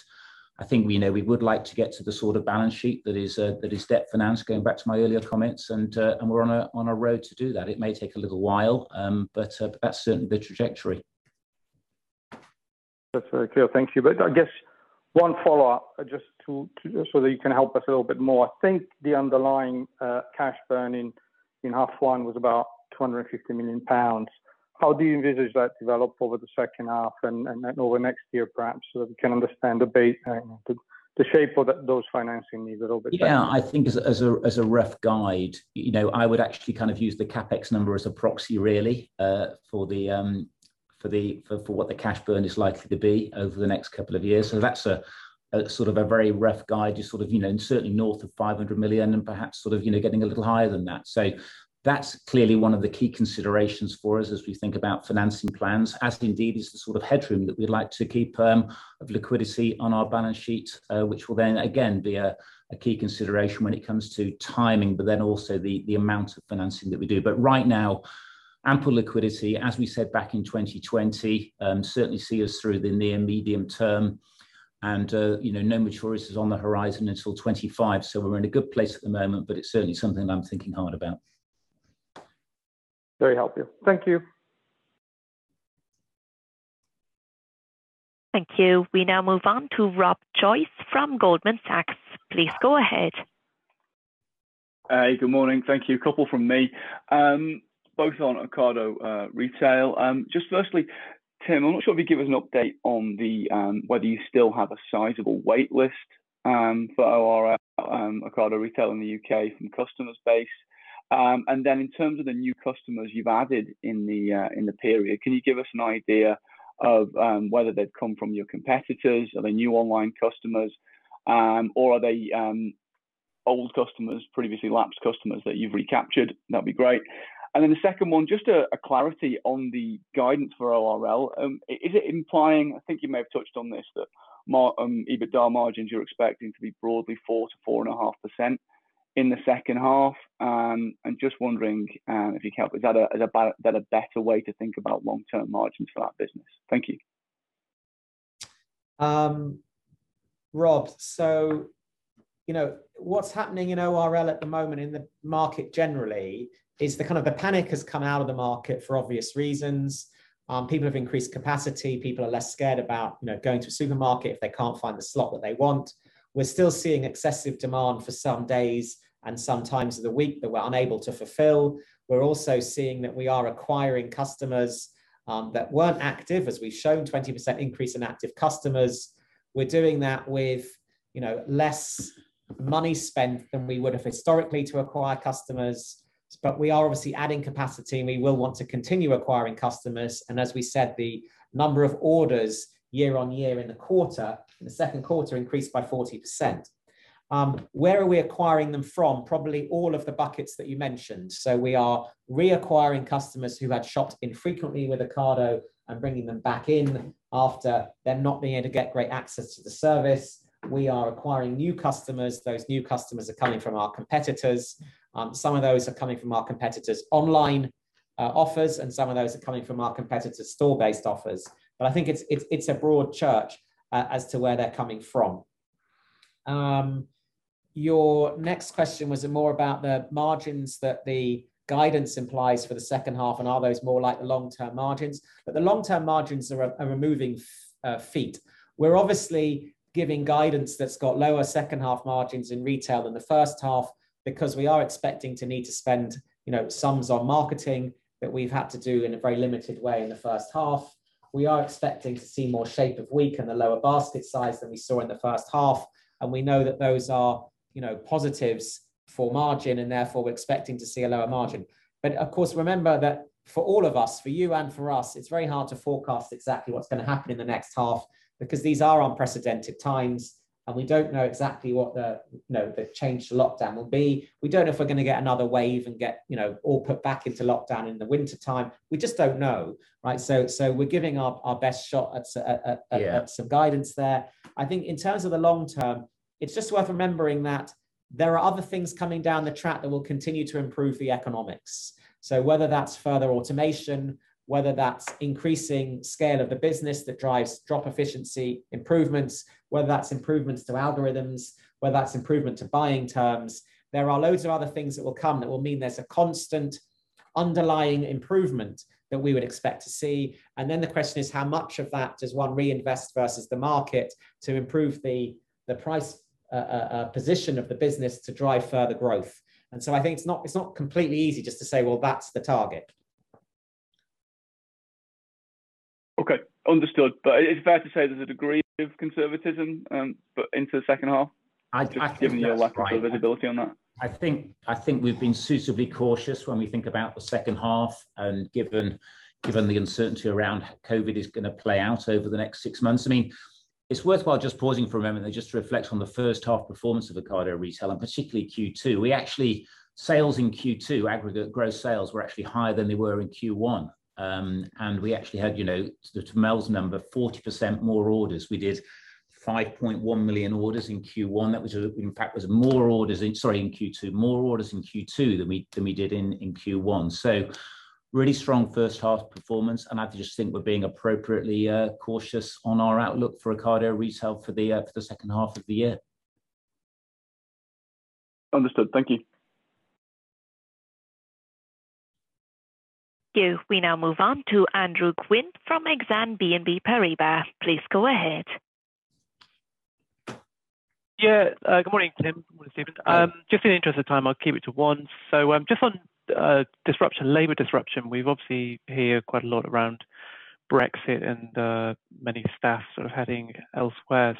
I think we would like to get to the sort of balance sheet that is debt finance, going back to my earlier comments, and we're on a road to do that. It may take a little while, but that's certainly the trajectory. That's very clear. Thank you. I guess one follow-up, just so that you can help us a little bit more. I think the underlying cash burn in half one was about 250 million pounds. How do you envisage that develop over the second half and over the next year, perhaps, so we can understand the shape of those financing needs a little bit better? I think as a rough guide, I would actually use the CapEx number as a proxy, really, for what the cash burn is likely to be over the next couple of years. That's a very rough guide, certainly north of 500 million and perhaps getting a little higher than that. That's clearly one of the key considerations for us as we think about financing plans, as indeed is the sort of headroom that we'd like to keep of liquidity on our balance sheet, which will then again be a key consideration when it comes to timing, also the amount of financing that we do. Right now, ample liquidity, as we said back in 2020, certainly see us through the near medium term and no maturities on the horizon until 2025. We're in a good place at the moment, but it's certainly something I'm thinking hard about. Very helpful. Thank you. Thank you. We now move on to Rob Joyce from Goldman Sachs. Please go ahead. Hey, good morning. Thank you. A couple from me, both on Ocado Retail. Firstly, Tim, I'm not sure if you can give us an update on whether you still have a sizable wait list for ORL, Ocado Retail in the U.K., from a customer space. Then in terms of the new customers you've added in the period, can you give us an idea of whether they've come from your competitors? Are they new online customers, or are they old customers, previously lapsed customers that you've recaptured? That'd be great. Then the second one, just a clarity on the guidance for ORL. Is it implying, I think you may have touched on this, that EBITDA margins you're expecting to be broadly 4%-4.5% in the second half? I'm just wondering if you count, is that a better way to think about long-term margins for that business? Thank you. Rob, what's happening in ORL at the moment in the market generally is the panic has come out of the market for obvious reasons. People have increased capacity. People are less scared about going to a supermarket if they can't find the slot that they want. We're still seeing excessive demand for some days and some times of the week that we're unable to fulfill. We're also seeing that we are acquiring customers that weren't active, as we've shown 20% increase in active customers. We're doing that with less money spent than we would have historically to acquire customers. We are obviously adding capacity, and we will want to continue acquiring customers. As we said, the number of orders year-on-year in the quarter, in the second quarter, increased by 40%. Where are we acquiring them from? Probably all of the buckets that you mentioned. We are reacquiring customers who had shopped infrequently with Ocado and bringing them back in after they're not being able to get great access to the service. We are acquiring new customers. Those new customers are coming from our competitors. Some of those are coming from our competitors' online offers, and some of those are coming from our competitors' store-based offers. I think it's a broad church as to where they're coming from. Your next question was more about the margins that the guidance implies for the second half, and are those more like the long-term margins? The long-term margins are a moving feast. We're obviously giving guidance that's got lower second half margins in Retail than the first half because we are expecting to need to spend sums on marketing that we've had to do in a very limited way in the first half. We are expecting to see more shape of week and the lower basket size than we saw in the first half. We know that those are positives for margin, and therefore we're expecting to see a lower margin. Of course, remember that for all of us, for you and for us, it's very hard to forecast exactly what's going to happen in the next half because these are unprecedented times, and we don't know exactly what the change to lockdown will be. We don't know if we're going to get another wave and get all put back into lockdown in the wintertime. We just don't know, right? Yeah some guidance there. I think in terms of the long term, it's just worth remembering that there are other things coming down the track that will continue to improve the economics. Whether that's further automation, whether that's increasing scale of the business that drives drop efficiency improvements, whether that's improvements to algorithms, whether that's improvement to buying terms, there are loads of other things that will come that will mean there's a constant underlying improvement that we would expect to see. Then the question is, how much of that does one reinvest versus the market to improve the price position of the business to drive further growth? I think it's not completely easy just to say, well, that's the target. Okay. Understood. It's fair to say there's a degree of conservatism into the second half. I think that's right. just given your lack of visibility on that. I think we've been suitably cautious when we think about the second half and given the uncertainty around how COVID is going to play out over the next six months. It's worthwhile just pausing for a moment though, just to reflect on the first half performance of Ocado Retail, and particularly Q2. Actually, sales in Q2, aggregate gross sales, were actually higher than they were in Q1. We actually had, to Mel's number, 40% more orders. We did 5.1 million orders in Q1. Was more orders, sorry, in Q2 than we did in Q1. Really strong first half performance, and I just think we're being appropriately cautious on our outlook for Ocado Retail for the second half of the year. Understood. Thank you. Thank you. We now move on to Andrew Gwynn from Exane BNP Paribas. Please go ahead. Yeah. Good morning, Tim. Good morning, Stephen. Hi. Just in the interest of time, I'll keep it to one. Just on labor disruption, we obviously hear quite a lot around Brexit and many staff sort of heading elsewhere.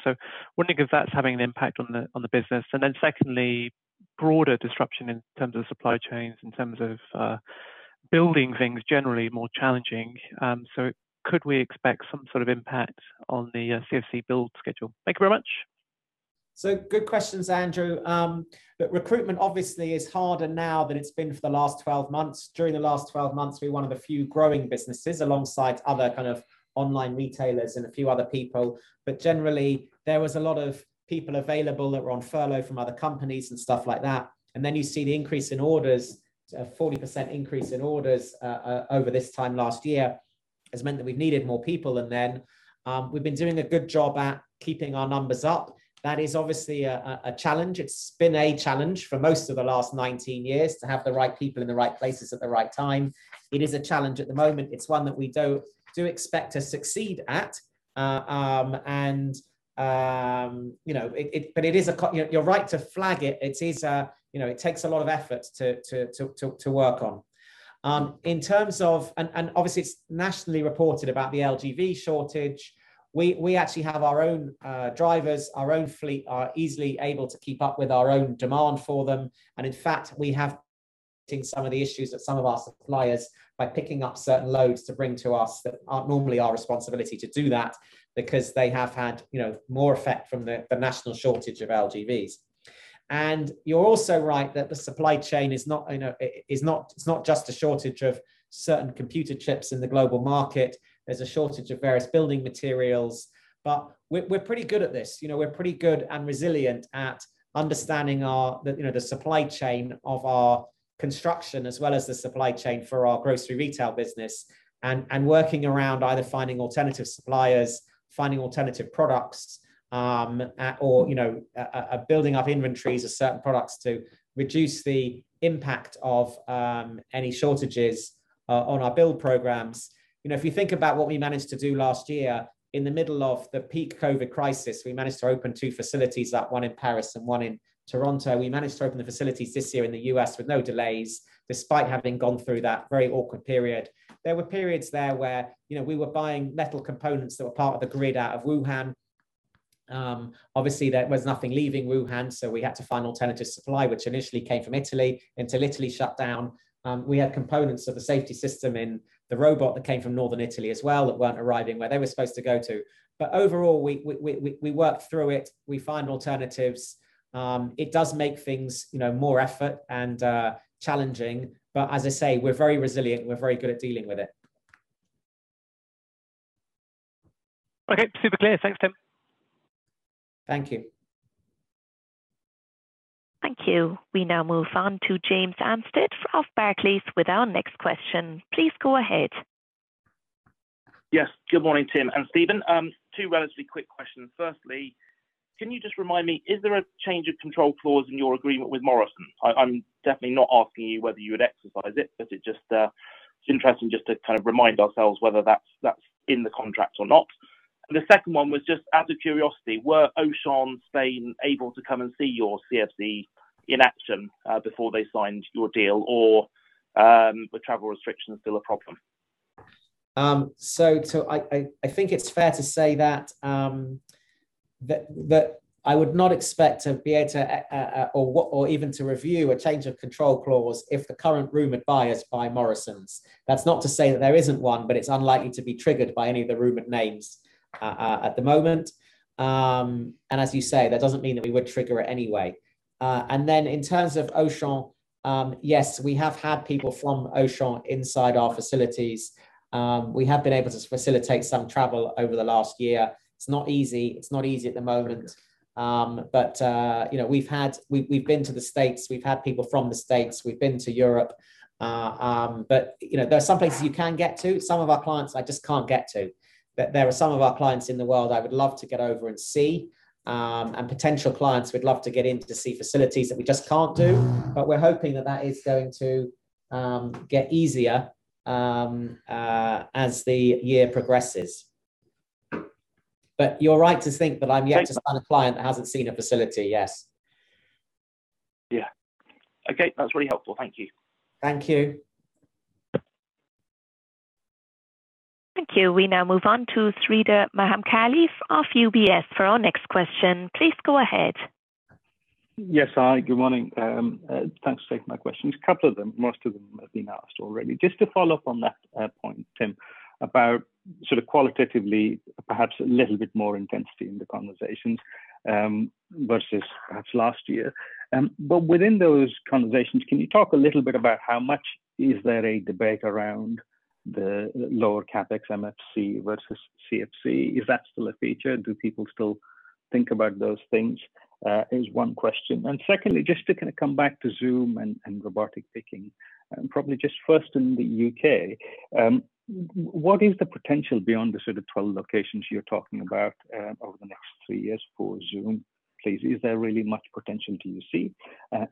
Wondering if that's having an impact on the business. Secondly, broader disruption in terms of supply chains, in terms of building things generally more challenging. Could we expect some sort of impact on the CFC build schedule? Thank you very much. Good questions, Andrew. Recruitment obviously is harder now than it's been for the last 12 months. During the last 12 months, we're one of the few growing businesses alongside other kind of online retailers and a few other people. Generally, there was a lot of people available that were on furlough from other companies and stuff like that. You see the increase in orders, a 40% increase in orders, over this time last year, has meant that we've needed more people. We've been doing a good job at keeping our numbers up. That is obviously a challenge. It's been a challenge for most of the last 19 years to have the right people in the right places at the right time. It is a challenge at the moment. It's one that we do expect to succeed at. You're right to flag it. It takes a lot of effort to work on. Obviously, it's nationally reported about the LGV shortage. We actually have our own drivers, our own fleet are easily able to keep up with our own demand for them, and in fact, we have seen some of the issues that some of our suppliers by picking up certain loads to bring to us that aren't normally our responsibility to do that because they have had more effect from the national shortage of LGVs. You're also right that the supply chain, it's not just a shortage of certain computer chips in the global market. There's a shortage of various building materials. We're pretty good at this. We're pretty good and resilient at understanding the supply chain of our construction as well as the supply chain for our grocery retail business and working around either finding alternative suppliers, finding alternative products, or building up inventories of certain products to reduce the impact of any shortages on our build programs. If you think about what we managed to do last year in the middle of the peak COVID crisis, we managed to open two facilities, one in Paris and one in Toronto. We managed to open facilities this year in the U.S. with no delays, despite having gone through that very awkward period. There were periods there where we were buying metal components that were part of the grid out of Wuhan. Obviously, there was nothing leaving Wuhan, so we had to find alternative supply, which initially came from Italy, until Italy shut down. We had components of the safety system in the robot that came from northern Italy as well that weren't arriving where they were supposed to go to. Overall, we work through it, we find alternatives. It does make things more effort and challenging, but as I say, we're very resilient. We're very good at dealing with it. Okay. Super clear. Thanks, Tim. Thank you. Thank you. We now move on to James Anstead of Barclays with our next question. Please go ahead. Yes. Good morning, Tim and Stephen. Two relatively quick questions. Firstly, can you just remind me, is there a change of control clause in your agreement with Morrisons? I'm definitely not asking you whether you would exercise it, but it's interesting just to remind ourselves whether that's in the contract or not. The second one was just out of curiosity, were Auchan Spain able to come and see your CFC in action before they signed your deal, or were travel restrictions still a problem? I think it's fair to say that I would not expect to be able to, or even to review a change of control clause if the current rumored buyer is by Morrisons. That's not to say that there isn't one, but it's unlikely to be triggered by any of the rumored names at the moment. As you say, that doesn't mean that we would trigger it anyway. In terms of Auchan, yes, we have had people from Auchan inside our facilities. We have been able to facilitate some travel over the last year. It's not easy at the moment. We've been to the U.S., we've had people from the U.S., we've been to Europe. There are some places you can get to. Some of our clients I just can't get to. There are some of our clients in the world I would love to get over and see, and potential clients we'd love to get in to see facilities that we just can't do. We're hoping that that is going to get easier as the year progresses. You're right to think that I'm yet to find a client that hasn't seen a facility, yes. Yeah. Okay. That's really helpful. Thank you. Thank you. Thank you. We now move on to Sreedhar Mahamkali of UBS for our next question. Please go ahead. Yes, hi. Good morning. Thanks for taking my questions. A couple of them, most of them have been asked already. Just to follow up on that point, Tim, about qualitatively, perhaps a little bit more intensity in the conversations versus perhaps last year. Within those conversations, can you talk a little bit about how much is there a debate around the lower CapEx MFC versus CFC? Is that still a feature? Do people still think about those things? Is one question. Secondly, just to come back to Zoom and robotic picking, and probably just first in the U.K., what is the potential beyond the sort of 12 locations you're talking about over the next three years for Zoom? Is there really much potential do you see?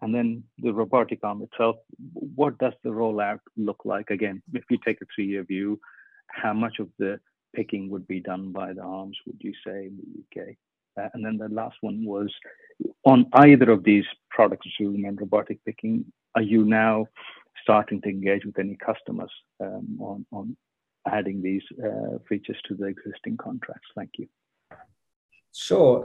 Then the robotic arm itself, what does the rollout look like? If you take a three-year view, how much of the picking would be done by the arms, would you say, in the U.K.? The last one was on either of these products, Zoom and robotic picking, are you now starting to engage with any customers on adding these features to the existing contracts? Thank you. Sure.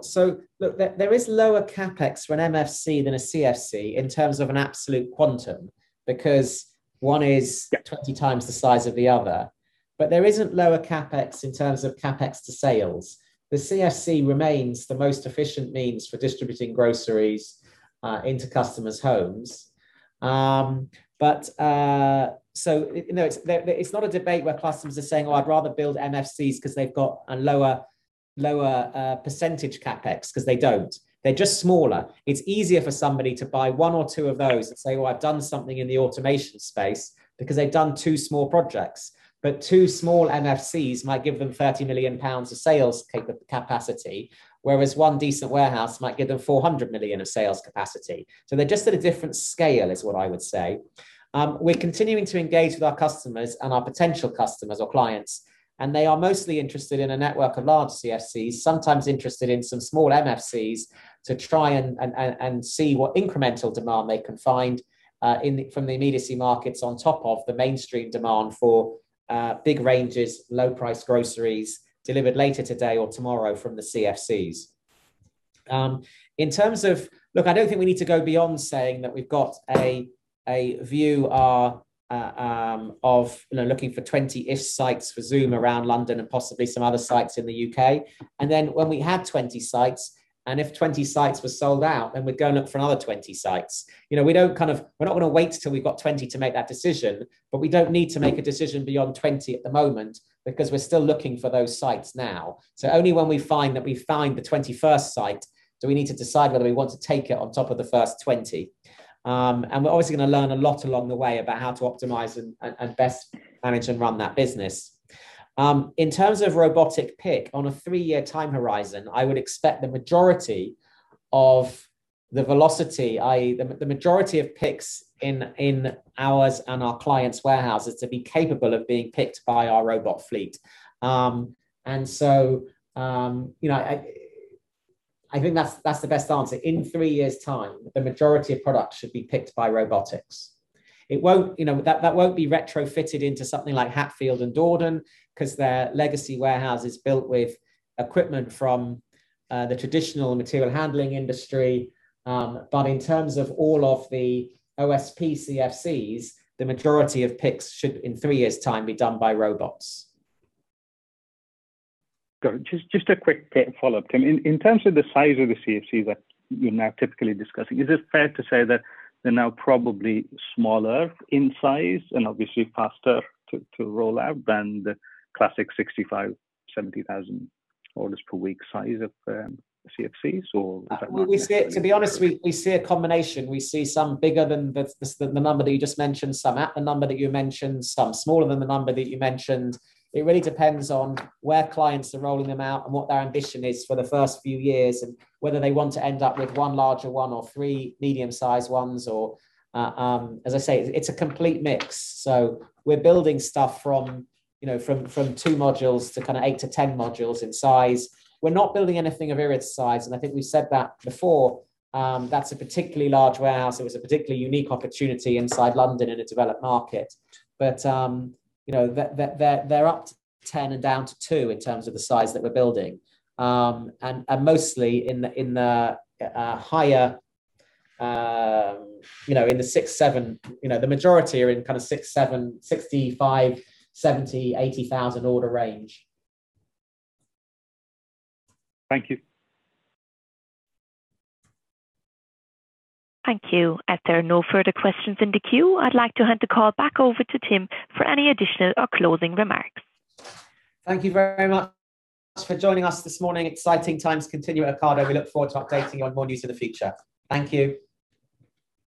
Look, there is lower CapEx for an MFC than a CFC in terms of an absolute quantum, because one is 20 times the size of the other, but there isn't lower CapEx in terms of CapEx to sales. The CFC remains the most efficient means for distributing groceries into customers' homes. It's not a debate where customers are saying, "Well, I'd rather build MFCs because they've got a lower percentage CapEx," because they don't. They're just smaller. It's easier for somebody to buy one or two of those and say, "Well, I've done something in the automation space," because they've done two small projects. Two small MFCs might give them 30 million pounds of sales capacity, whereas one decent warehouse might give them 400 million of sales capacity. They're just at a different scale, is what I would say. We're continuing to engage with our customers and our potential customers or clients. They are mostly interested in a network of large CFCs, sometimes interested in some small MFCs to try and see what incremental demand they can find from the immediacy markets on top of the mainstream demand for big ranges, low price groceries delivered later today or tomorrow from the CFCs. In terms of, look, I don't think we need to go beyond saying that we've got a view of looking for 20-ish sites for Zoom around London and possibly some other sites in the U.K. When we have 20 sites, and if 20 sites were sold out, then we're going to look for another 20 sites. We're not going to wait till we've got 20 to make that decision. We don't need to make a decision beyond 20 at the moment because we're still looking for those sites now. Only when we find that we find the 21st site, do we need to decide whether we want to take it on top of the first 20. We're obviously going to learn a lot along the way about how to optimize and best manage and run that business. In terms of robotic pick on a three-year time horizon, I would expect the majority of the velocity, i.e., the majority of picks in ours and our clients' warehouses to be capable of being picked by our robot fleet. I think that's the best answer. In three years' time, the majority of products should be picked by robotics. That won't be retrofitted into something like Hatfield and Dordon because their legacy warehouse is built with equipment from the traditional material handling industry. In terms of all of the OSP CFCs, the majority of picks should, in three years' time, be done by robots. Just a quick follow-up, Tim. In terms of the size of the CFC that you are now typically discussing, is it fair to say that they are now probably smaller in size and obviously faster to roll out than the classic 65,000, 70,000 orders per week size of CFCs or is that not necessarily the case? To be honest, we see a combination. We see some bigger than the number that you just mentioned, some at the number that you mentioned, some smaller than the number that you mentioned. It really depends on where clients are rolling them out and what their ambition is for the first few years, and whether they want to end up with one larger one or three medium-sized ones or, as I say, it's a complete mix. We're building stuff from two modules to kind of 8-10 modules in size. We're not building anything of Erith's size, and I think we said that before. That's a particularly large warehouse. It was a particularly unique opportunity inside London in a developed market. They're up to 10 and down to two in terms of the size that we're building. Mostly in the higher, the majority are in kind of 65,000, 70,000, 80,000 order range. Thank you. Thank you. If there are no further questions in the queue, I'd like to hand the call back over to Tim for any additional or closing remarks. Thank you very much for joining us this morning. Exciting times continue at Ocado. We look forward to updating you on more news in the future. Thank you.